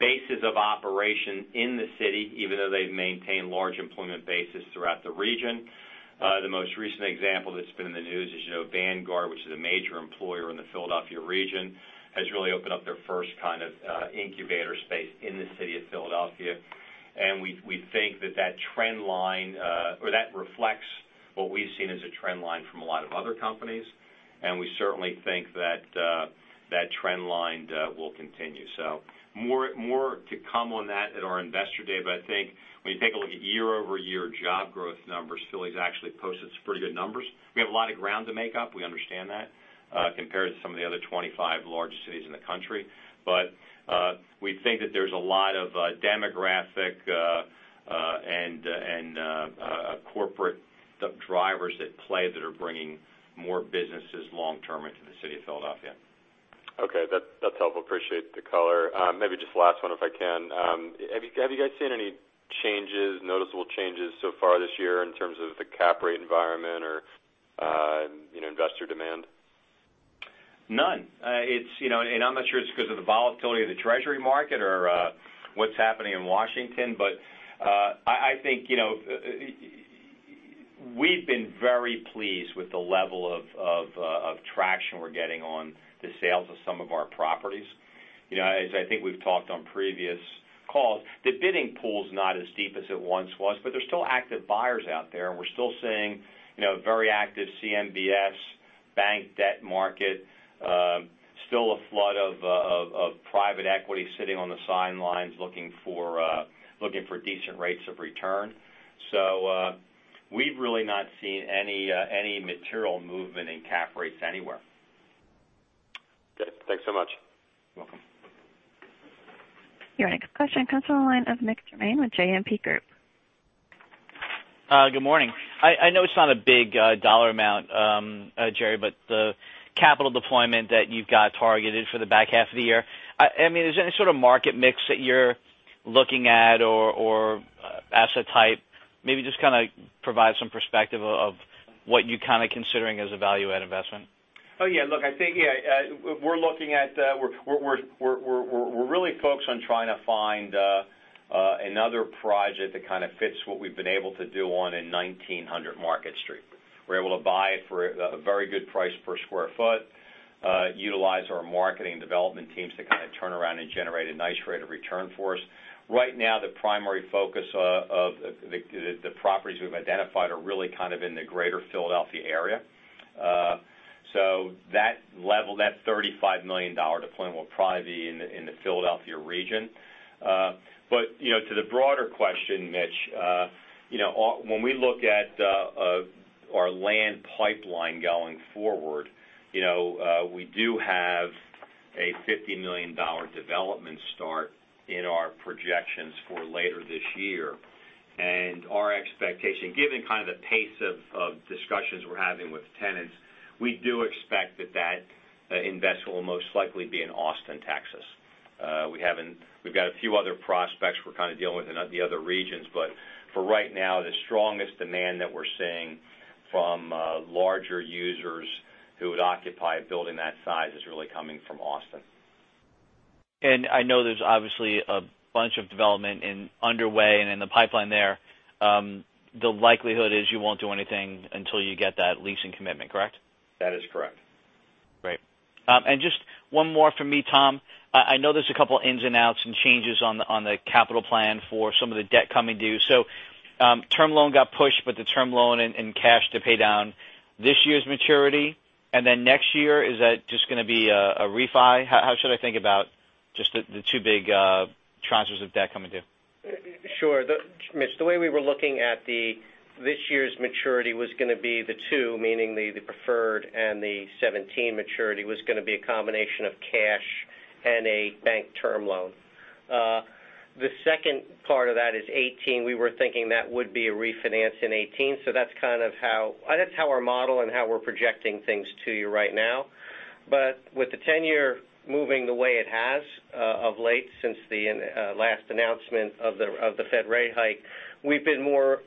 bases of operation in the city, even though they've maintained large employment bases throughout the region. The most recent example that's been in the news is, Vanguard, which is a major employer in the Philadelphia region, has really opened up their first kind of incubator space in the city of Philadelphia. We think that that trend line, or that reflects what we've seen as a trend line from a lot of other companies, and we certainly think that trend line will continue. More to come on that at our investor day. I think when you take a look at year-over-year job growth numbers, Philly's actually posted some pretty good numbers. We have a lot of ground to make up, we understand that, compared to some of the other 25 largest cities in the country. We think that there's a lot of demographic, and corporate drivers at play that are bringing more businesses long-term into the city of Philadelphia. Okay. That's helpful. Appreciate the color. Maybe just last one, if I can. Have you guys seen any noticeable changes so far this year in terms of the cap rate environment or investor demand? None. I'm not sure it's because of the volatility of the treasury market or what's happening in Washington, but I think we've been very pleased with the level of traction we're getting on the sales of some of our properties. As I think we've talked on previous calls, the bidding pool's not as deep as it once was, but there's still active buyers out there, and we're still seeing a very active CMBS bank debt market. Still a flood of private equity sitting on the sidelines looking for decent rates of return. We've really not seen any material movement in cap rates anywhere. Good. Thanks so much. You're welcome. Your next question comes on the line of Mitch Germain with JMP Group. Good morning. I know it's not a big dollar amount, Jerry, but the capital deployment that you've got targeted for the back half of the year, is there any sort of market mix that you're looking at or asset type? Maybe just kind of provide some perspective of what you're kind of considering as a value-add investment. Oh, yeah. Look, I think we're really focused on trying to find another project that kind of fits what we've been able to do in 1900 Market Street. We're able to buy it for a very good price per square foot, utilize our marketing development teams to kind of turn around and generate a nice rate of return for us. Right now, the primary focus of the properties we've identified are really kind of in the greater Philadelphia area. That $35 million deployment will probably be in the Philadelphia region. To the broader question, Mitch, when we look at our land pipeline going forward, we do have a $50 million development start in our projections for later this year. Our expectation, given kind of the pace of discussions we're having with tenants, we do expect that that investment will most likely be in Austin, Texas. We've got a few other prospects we're kind of dealing with in the other regions, but for right now, the strongest demand that we're seeing from larger users who would occupy a building that size is really coming from Austin. I know there's obviously a bunch of development underway and in the pipeline there. The likelihood is you won't do anything until you get that leasing commitment, correct? That is correct. Great. Just one more from me, Tom. I know there's a couple ins and outs and changes on the capital plan for some of the debt coming due. Term loan got pushed, the term loan and cash to pay down this year's maturity. Then next year, is that just going to be a refi? How should I think about just the two big tranches of debt coming due? Sure, Mitch. The way we were looking at this year's maturity was going to be the two, meaning the preferred and the 2017 maturity, was going to be a combination of cash and a bank term loan. The second part of that is 2018. We were thinking that would be a refinance in 2018. That's kind of how our model and how we're projecting things to you right now. With the 10-year moving the way it has of late since the last announcement of the Fed rate hike, we've been more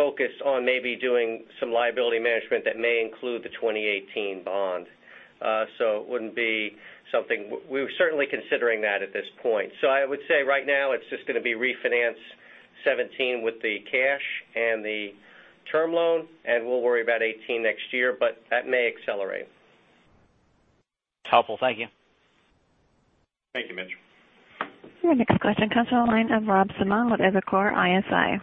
focused on maybe doing some liability management that may include the 2018 bond. It wouldn't be something We're certainly considering that at this point. I would say right now, it's just going to be refinance 2017 with the cash and the term loan, and we'll worry about 2018 next year, but that may accelerate. Helpful. Thank you. Thank you, Mitch. Your next question comes on the line of Robert Simone with Evercore ISI.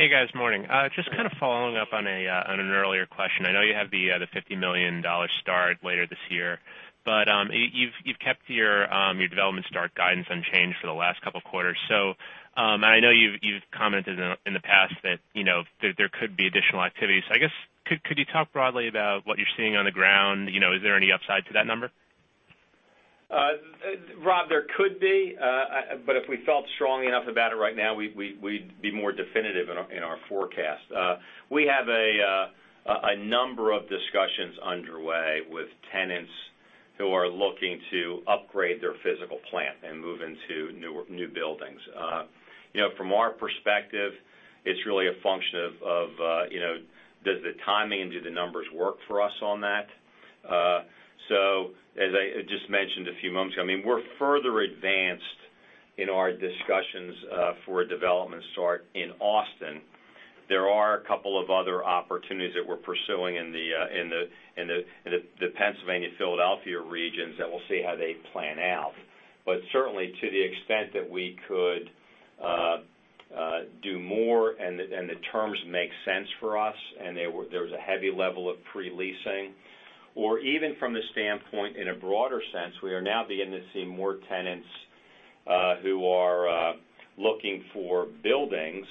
Hey, guys. Morning. Just kind of following up on an earlier question. I know you have the $50 million start later this year, but you've kept your development start guidance unchanged for the last couple of quarters. I know you've commented in the past that there could be additional activity. I guess, could you talk broadly about what you're seeing on the ground? Is there any upside to that number? Rob, there could be, but if we felt strongly enough about it right now, we'd be more definitive in our forecast. We have a number of discussions underway with tenants who are looking to upgrade their physical plant and move into new buildings. From our perspective, it's really a function of, does the timing and do the numbers work for us on that? As I just mentioned a few moments ago, we're further advanced in our discussions for a development start in Austin. There are a couple of other opportunities that we're pursuing in the Pennsylvania, Philadelphia regions, and we'll see how they plan out. Certainly, to the extent that we could do more and the terms make sense for us, and there's a heavy level of pre-leasing. Even from the standpoint, in a broader sense, we are now beginning to see more tenants who are looking for buildings,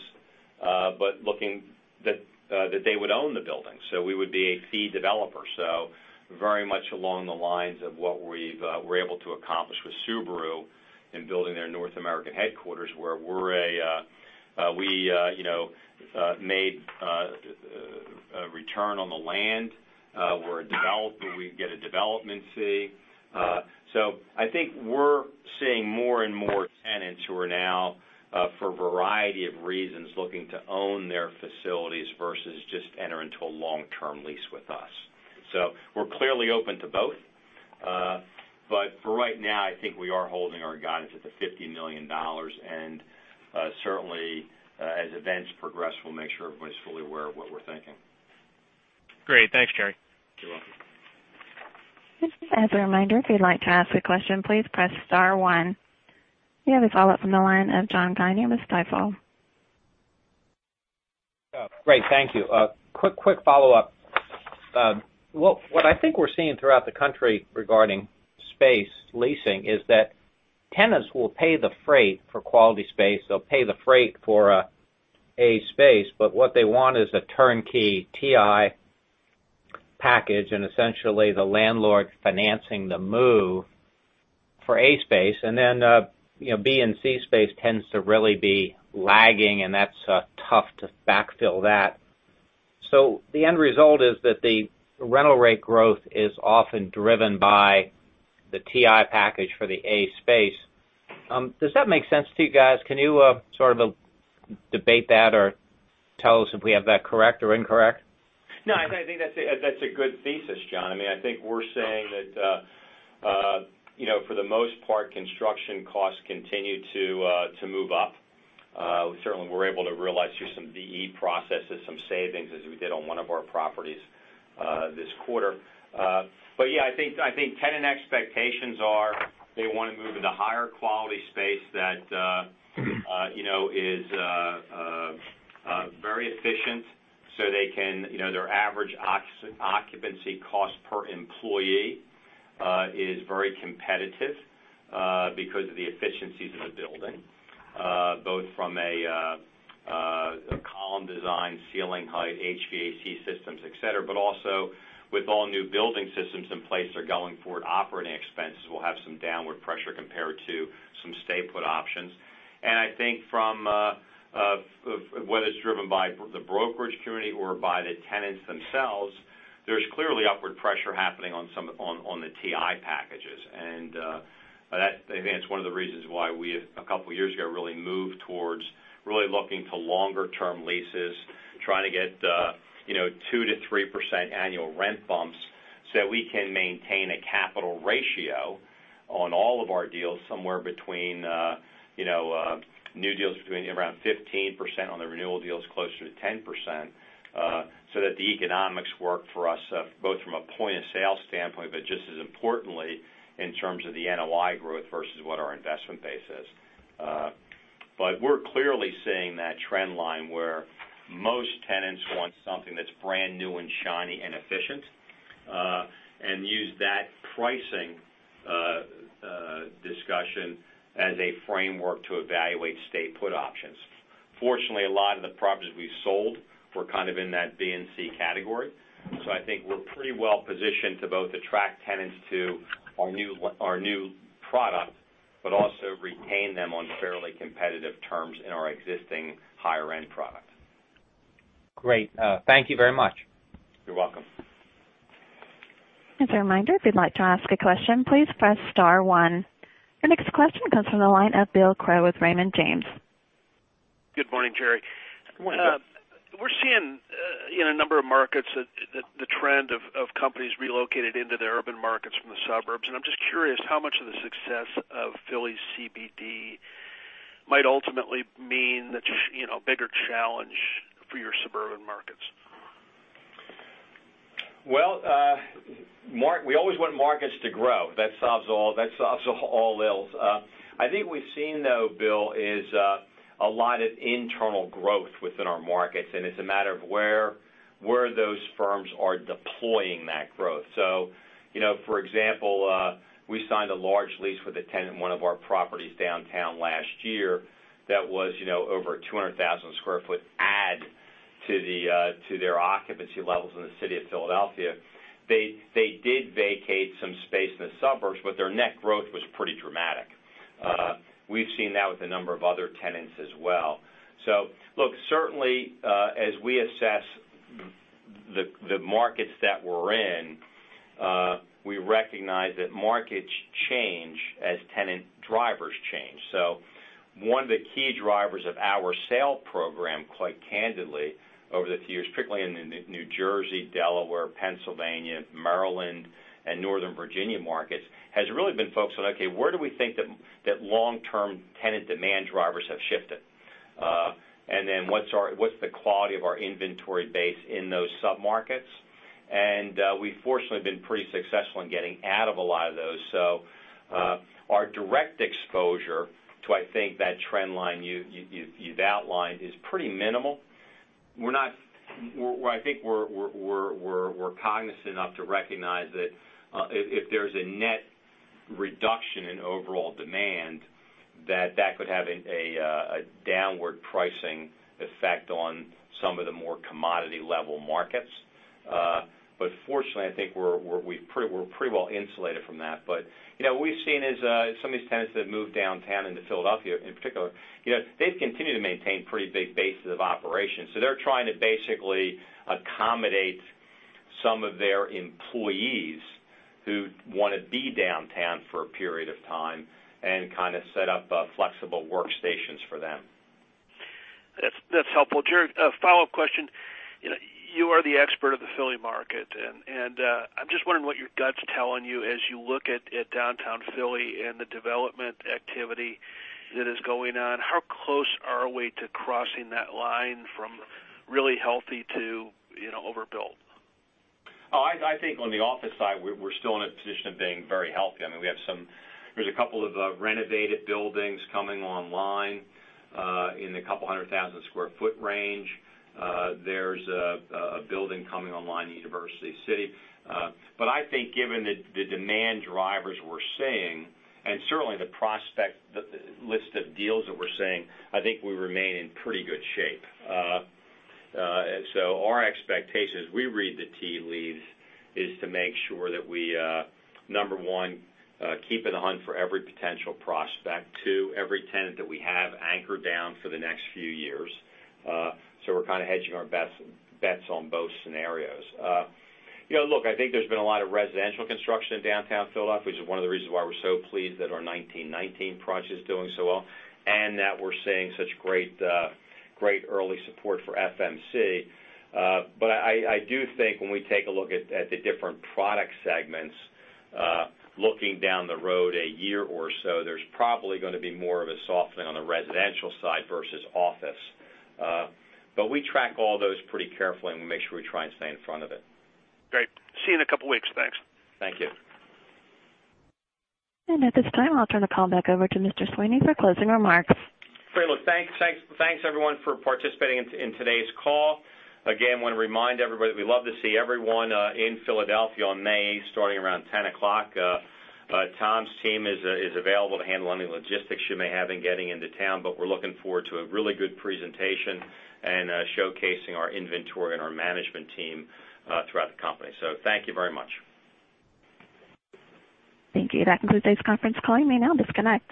but looking that they would own the building. We would be a fee developer. Very much along the lines of what we were able to accomplish with Subaru in building their North American headquarters, where we made a return on the land. We're a developer, we get a development fee. I think we're seeing more and more tenants who are now for a variety of reasons, looking to own their facilities versus just enter into a long-term lease with us. We're clearly open to both. For right now, I think we are holding our guidance at the $50 million. Certainly, as events progress, we'll make sure everybody's fully aware of what we're thinking. Great. Thanks, Jerry. You're welcome. As a reminder, if you'd like to ask a question, please press star one. We have a follow-up from the line of John Guinee with Stifel. Yeah. Great. Thank you. Quick follow-up. What I think we're seeing throughout the country regarding space leasing is that tenants will pay the freight for quality space. They'll pay the freight for A space, but what they want is a turnkey TI package, and essentially the landlord financing the move for A space. B and C space tends to really be lagging, and that's tough to backfill that. The end result is that the rental rate growth is often driven by the TI package for the A space. Does that make sense to you guys? Can you sort of debate that or tell us if we have that correct or incorrect? No, I think that's a good thesis, John. I think we're saying that, for the most part, construction costs continue to move up. Certainly, we're able to realize through some VE processes, some savings, as we did on one of our properties, this quarter. Yeah, I think tenant expectations are they want to move into higher quality space that is very efficient, so their average occupancy cost per employee, is very competitive, because of the efficiencies of the building. Both from a column design, ceiling height, HVAC systems, et cetera, but also with all new building systems in place that are going forward, operating expenses will have some downward pressure compared to some stay-put options. I think from, whether it's driven by the brokerage community or by the tenants themselves, there's clearly upward pressure happening on the TI packages. I think that's one of the reasons why we, a couple of years ago, really moved towards really looking to longer-term leases, trying to get 2%-3% annual rent bumps, so that we can maintain a capital ratio On all of our deals, somewhere between new deals between around 15%, on the renewal deals, closer to 10%, so that the economics work for us, both from a point-of-sale standpoint, but just as importantly, in terms of the NOI growth versus what our investment base is. We're clearly seeing that trend line where most tenants want something that's brand new and shiny and efficient, and use that pricing discussion as a framework to evaluate stay put options. Fortunately, a lot of the properties we've sold were kind of in that B and C category. I think we're pretty well positioned to both attract tenants to our new product, but also retain them on fairly competitive terms in our existing higher-end product. Great. Thank you very much. You're welcome. As a reminder, if you'd like to ask a question, please press star one. Your next question comes from the line of Bill Crow with Raymond James. Good morning, Jerry. Good morning, Bill. We're seeing in a number of markets that the trend of companies relocating into the urban markets from the suburbs, I'm just curious how much of the success of Philly CBD might ultimately mean that bigger challenge for your suburban markets. Well, we always want markets to grow. That solves all ills. I think we've seen, though, Bill, is a lot of internal growth within our markets, it's a matter of where those firms are deploying that growth. For example, we signed a large lease with a tenant in one of our properties downtown last year that was over 200,000 sq ft add to their occupancy levels in the city of Philadelphia. They did vacate some space in the suburbs, their net growth was pretty dramatic. We've seen that with a number of other tenants as well. Look, certainly, as we assess the markets that we're in, we recognize that markets change as tenant drivers change. One of the key drivers of our sale program, quite candidly over the years, particularly in the New Jersey, Delaware, Pennsylvania, Maryland, and Northern Virginia markets, has really been focused on, okay, where do we think that long-term tenant demand drivers have shifted? Then what's the quality of our inventory base in those sub-markets? We've fortunately been pretty successful in getting out of a lot of those. Our direct exposure to, I think, that trend line you've outlined is pretty minimal. I think we're cognizant enough to recognize that if there's a net reduction in overall demand, that that could have a downward pricing effect on some of the more commodity-level markets. Fortunately, I think we're pretty well-insulated from that. What we've seen is some of these tenants that have moved downtown into Philadelphia in particular, they've continued to maintain pretty big bases of operations. They're trying to basically accommodate some of their employees who want to be downtown for a period of time and kind of set up flexible workstations for them. That's helpful. Gerry, a follow-up question. You are the expert of the Philly market. I'm just wondering what your gut's telling you as you look at downtown Philly and the development activity that is going on. How close are we to crossing that line from really healthy to overbuilt? I think on the office side, we're still in a position of being very healthy. There's a couple of renovated buildings coming online in the couple hundred thousand sq ft range. There's a building coming online in University City. I think given the demand drivers we're seeing and certainly the list of deals that we're seeing, I think we remain in pretty good shape. Our expectation as we read the tea leaves is to make sure that we, number 1, keep an eye out for every potential prospect. 2, every tenant that we have anchor down for the next few years. We're kind of hedging our bets on both scenarios. I think there's been a lot of residential construction in downtown Philadelphia, which is one of the reasons why we're so pleased that our 1919 project is doing so well and that we're seeing such great early support for FMC. I do think when we take a look at the different product segments, looking down the road a year or so, there's probably going to be more of a softening on the residential side versus office. We track all those pretty carefully, and we make sure we try and stay in front of it. Great. See you in a couple of weeks. Thanks. Thank you. At this time, I'll turn the call back over to Mr. Sweeney for closing remarks. Great. Look, thanks everyone for participating in today's call. Again, want to remind everybody that we love to see everyone in Philadelphia on May, starting around 10 o'clock. Tom's team is available to handle any logistics you may have in getting into town, but we're looking forward to a really good presentation and showcasing our inventory and our management team throughout the company. Thank you very much. Thank you. That concludes today's conference call. You may now disconnect.